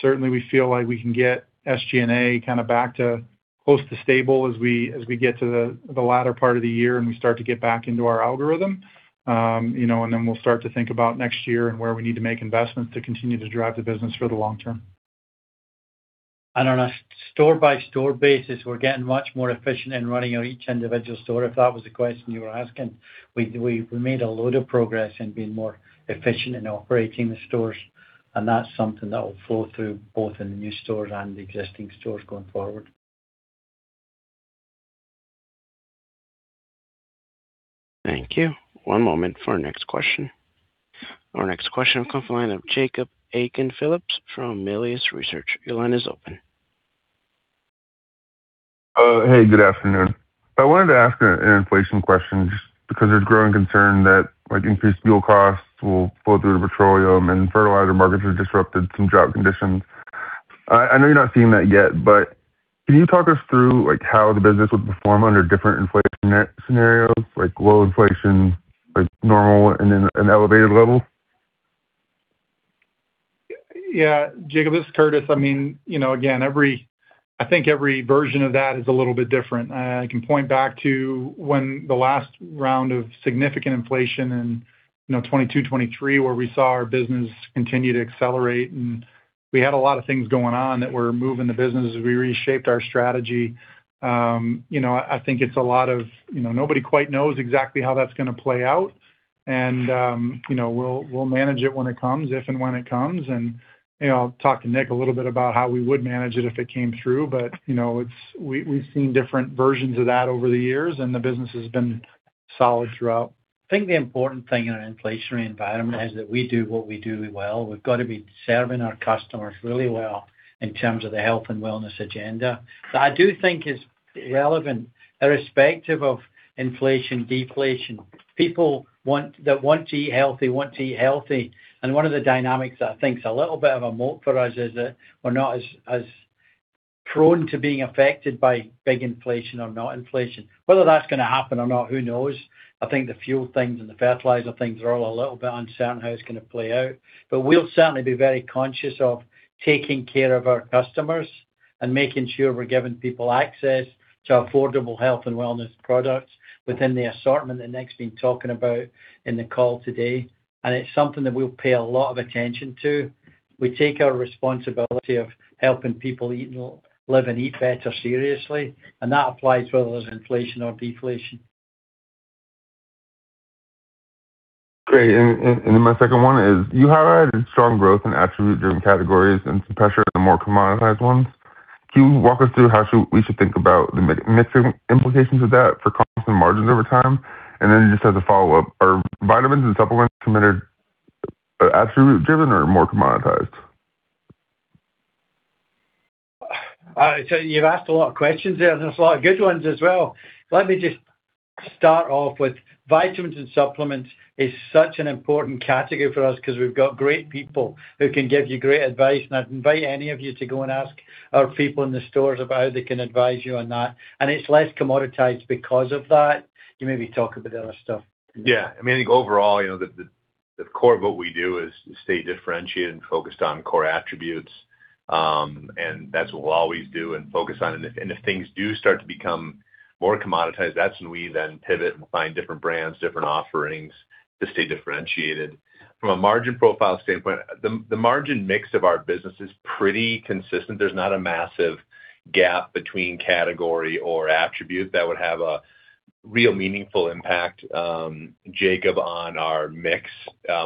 Certainly, we feel like we can get SG&A kind of back to close to stable as we, as we get to the latter part of the year, and we start to get back into our algorithm. You know, then we'll start to think about next year and where we need to make investments to continue to drive the business for the long term. On a store-by-store basis, we're getting much more efficient in running each individual store, if that was the question you were asking. We made a load of progress in being more efficient in operating the stores, that's something that will flow through both in the new stores and the existing stores going forward. Thank you. One moment for our next question. Our next question will come from the line of Jacob Aiken-Phillips from Melius Research. Your line is open. Hey, good afternoon. I wanted to ask an inflation question just because there's growing concern that, like, increased fuel costs will flow through to petroleum and fertilizer markets are disrupted, some drought conditions. I know you're not seeing that yet, but can you talk us through, like, how the business would perform under different inflation net scenarios, like low inflation, like normal, and then an elevated level? Jacob, this is Curtis. I mean, you know, again, I think every version of that is a little bit different. I can point back to when the last round of significant inflation in, you know, 2022, 2023, where we saw our business continue to accelerate, and we had a lot of things going on that were moving the business as we reshaped our strategy. You know, I think it's a lot of, you know, nobody quite knows exactly how that's going to play out. You know, we'll manage it when it comes, if and when it comes. You know, I'll talk to Nick a little bit about how we would manage it if it came through. You know, we've seen different versions of that over the years, and the business has been solid throughout. I think the important thing in an inflationary environment is that we do what we do well. We've got to be serving our customers really well in terms of the health and wellness agenda. But I do think it's relevant irrespective of inflation, deflation. People that want to eat healthy, want to eat healthy. And one of the dynamics that I think is a little bit of a moat for us is that we're not as prone to being affected by big inflation or not inflation. Whether that's gonna happen or not, who knows? I think the fuel things and the fertilizer things are all a little bit uncertain how it's gonna play out. We'll certainly be very conscious of taking care of our customers and making sure we're giving people access to affordable health and wellness products within the assortment that Nick's been talking about in the call today. It's something that we'll pay a lot of attention to. We take our responsibility of helping people live and eat better seriously, and that applies whether there's inflation or deflation. Great. My second one is, you have had strong growth in attribute-driven categories and some pressure in the more commoditized ones. Can you walk us through how we should think about the mix implications of that for constant margins over time? Then just as a follow-up, are vitamins and supplements considered attribute-driven or more commoditized? You've asked a lot of questions there. There's a lot of good ones as well. Let me just start off with vitamins and supplements is such an important category for us 'cause we've got great people who can give you great advice. I'd invite any of you to go and ask our people in the stores about how they can advise you on that. It's less commoditized because of that. You maybe talk about the other stuff. Yeah. I mean, I think overall, you know, the core of what we do is stay differentiated and focused on core attributes. That's what we'll always do and focus on. If things do start to become more commoditized, that's when we then pivot and find different brands, different offerings to stay differentiated. From a margin profile standpoint, the margin mix of our business is pretty consistent. There's not a massive gap between category or attribute that would have a real meaningful impact, Jacob, on our mix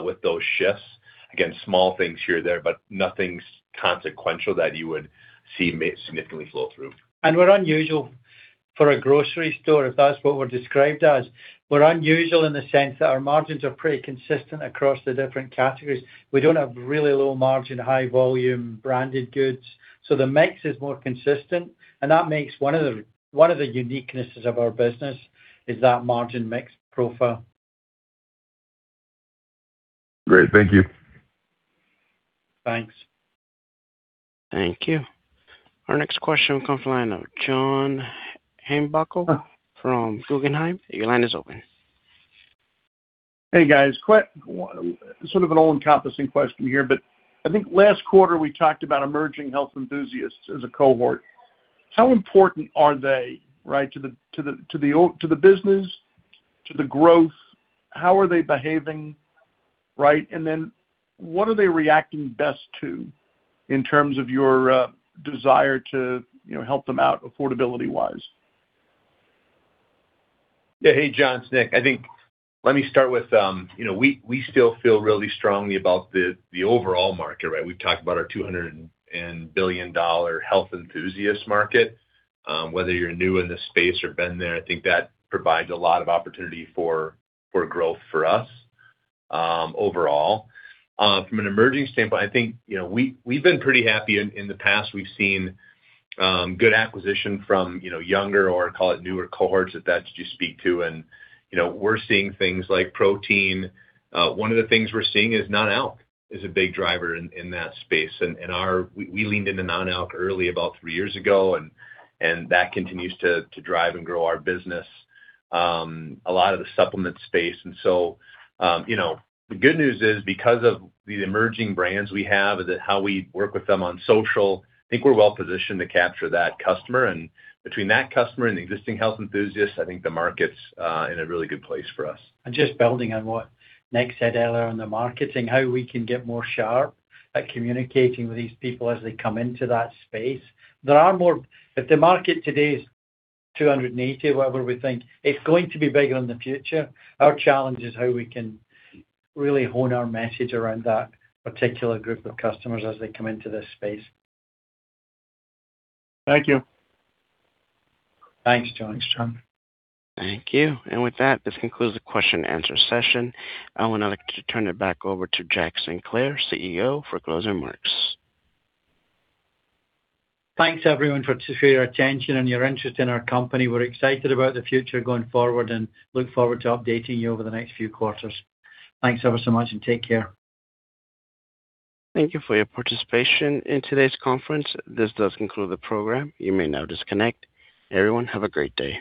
with those shifts. Small things here or there, but nothing's consequential that you would see significantly flow through. We're unusual for a grocery store, if that's what we're described as. We're unusual in the sense that our margins are pretty consistent across the different categories. We don't have really low margin, high volume branded goods, so the mix is more consistent. That makes one of the uniquenesses of our business is that margin mix profile. Great. Thank you. Thanks. Thank you. Our next question comes from the line of John Heinbockel from Guggenheim. Your line is open. Hey, guys. Sort of an all-encompassing question here, I think last quarter we talked about emerging health enthusiasts as a cohort. How important are they, right, to the business, to the growth? How are they behaving, right? What are they reacting best to in terms of your desire to, you know, help them out affordability-wise? Yeah. Hey, John, it's Nick. I think let me start with, you know, we still feel really strongly about the overall market, right? We've talked about our $200 billion health enthusiast market. Whether you're new in this space or been there, I think that provides a lot of opportunity for growth for us, overall. From an emerging standpoint, I think, you know, we've been pretty happy in the past. We've seen good acquisition from, you know, younger or call it newer cohorts if that's what you speak to. You know, we're seeing things like protein. One of the things we're seeing is non-alc is a big driver in that space. We leaned into non-alc early about three years ago, and that continues to drive and grow our business, a lot of the supplement space. You know, the good news is because of the emerging brands we have and how we work with them on social, I think we're well-positioned to capture that customer. Between that customer and the existing health enthusiasts, I think the market's in a really good place for us. Just building on what Nick said earlier on the marketing, how we can get more sharp at communicating with these people as they come into that space. If the market today is 280, whatever we think, it's going to be bigger in the future. Our challenge is how we can really hone our message around that particular group of customers as they come into this space. Thank you. Thanks, John. Thank you. With that, this concludes the question and answer session. I would now like to turn it back over to Jack Sinclair, CEO, for closing remarks. Thanks, everyone, for your attention and your interest in our company. We're excited about the future going forward and look forward to updating you over the next few quarters. Thanks ever so much and take care. Thank you for your participation in today's conference. This does conclude the program. You may now disconnect. Everyone, have a great day.